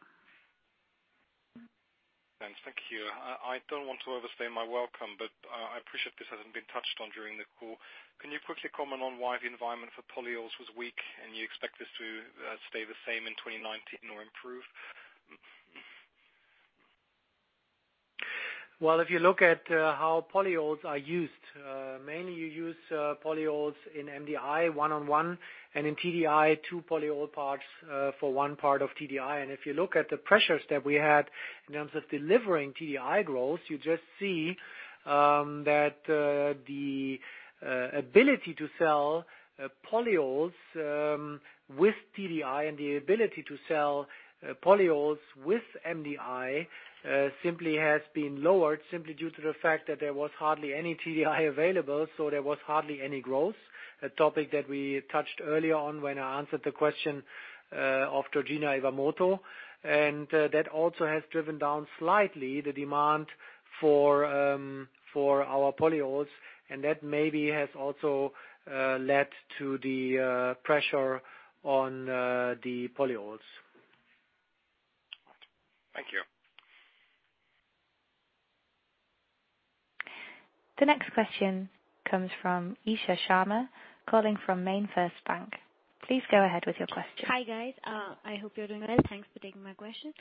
Thanks. Thank you. I don't want to overstay my welcome, but I appreciate this hasn't been touched on during the call. Can you quickly comment on why the environment for polyols was weak, and you expect this to stay the same in 2019 or improve? Well, if you look at how polyols are used, mainly you use polyols in MDI one-on-one and in TDI two polyol parts for one part of TDI. If you look at the pressures that we had in terms of delivering TDI growth, you just see that the ability to sell polyols with TDI and the ability to sell polyols with MDI simply has been lowered simply due to the fact that there was hardly any TDI available, so there was hardly any growth. A topic that we touched earlier on when I answered the question of Georgina Iwamoto. That also has driven down slightly the demand for our polyols, and that maybe has also led to the pressure on the polyols. The next question comes from Isha Sharma, calling from MainFirst Bank. Please go ahead with your question. Hi, guys. I hope you're doing well. Thanks for taking my question.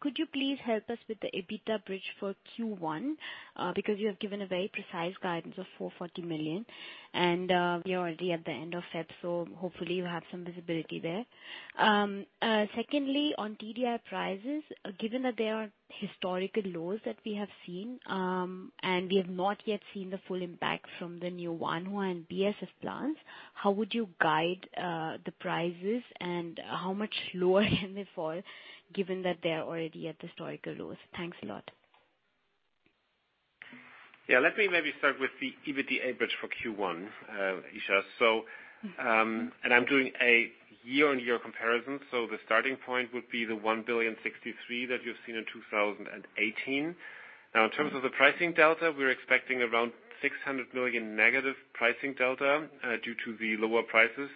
Could you please help us with the EBITDA bridge for Q1? Because you have given a very precise guidance of 440 million, and we are already at the end of Feb, so hopefully you have some visibility there. Secondly, on TDI prices, given that they are historical lows that we have seen, and we have not yet seen the full impact from the new Wanhua and BASF plants, how would you guide the prices and how much lower can they fall, given that they are already at historical lows? Thanks a lot. Yeah, let me maybe start with the EBITDA bridge for Q1, Isha. I'm doing a year-on-year comparison, so the starting point would be the 1,063 million that you've seen in 2018. Now, in terms of the pricing delta, we're expecting around 600 million negative pricing delta due to the lower prices,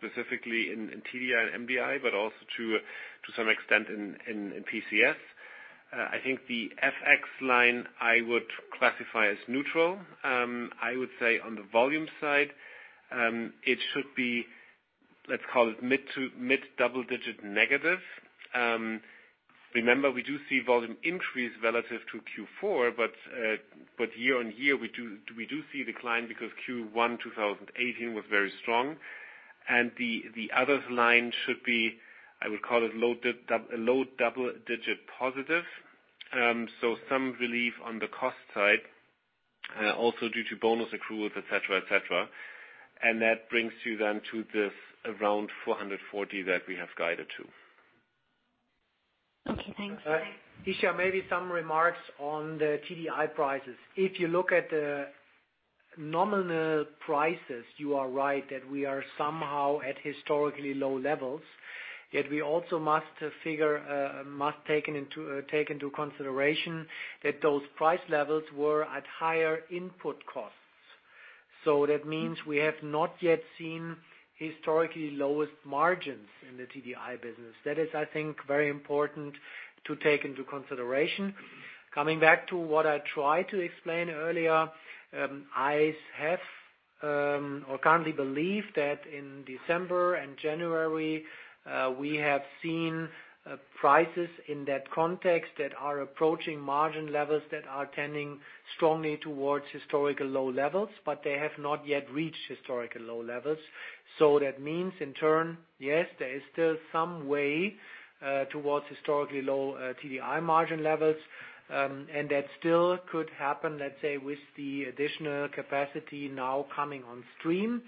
specifically in TDI and MDI, but also to some extent in PCS. I think the FX line I would classify as neutral. I would say on the volume side, it should be, let's call it mid double-digit negative. Remember, we do see volume increase relative to Q4, but year-on-year, we do see decline because Q1 2018 was very strong. The others line should be, I would call it low double-digit positive. Some relief on the cost side, also due to bonus accruals, et cetera. That brings you then to this around 440 that we have guided to. Okay, thanks. Isha, maybe some remarks on the TDI prices. If you look at the nominal prices, you are right that we are somehow at historically low levels, yet we also must take into consideration that those price levels were at higher input costs. That means we have not yet seen historically lowest margins in the TDI business. That is, I think, very important to take into consideration. Coming back to what I tried to explain earlier, I currently believe that in December and January, we have seen prices in that context that are approaching margin levels that are tending strongly towards historical low levels, but they have not yet reached historical low levels. That means in turn, yes, there is still some way towards historically low TDI margin levels, and that still could happen, let's say, with the additional capacity now coming on stream.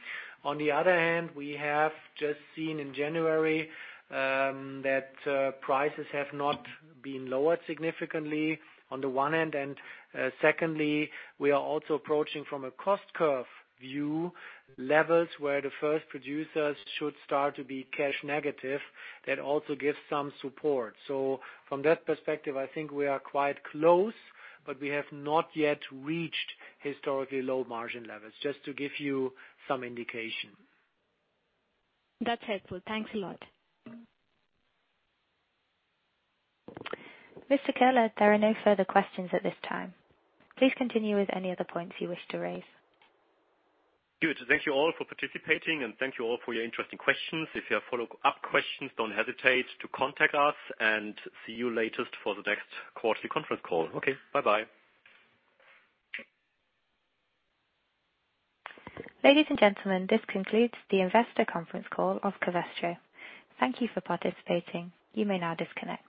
On the other hand, we have just seen in January that prices have not been lowered significantly on the one hand, and secondly, we are also approaching from a cost curve view levels where the first producers should start to be cash negative. That also gives some support. From that perspective, I think we are quite close, but we have not yet reached historically low margin levels. Just to give you some indication. That's helpful. Thanks a lot. Mr. Köhler, there are no further questions at this time. Please continue with any other points you wish to raise. Good. Thank you all for participating, and thank you all for your interesting questions. If you have follow-up questions, don't hesitate to contact us, and see you later for the next quarterly conference call. Okay. Bye-bye. Ladies and gentlemen, this concludes the investor conference call of Covestro. Thank you for participating. You may now disconnect.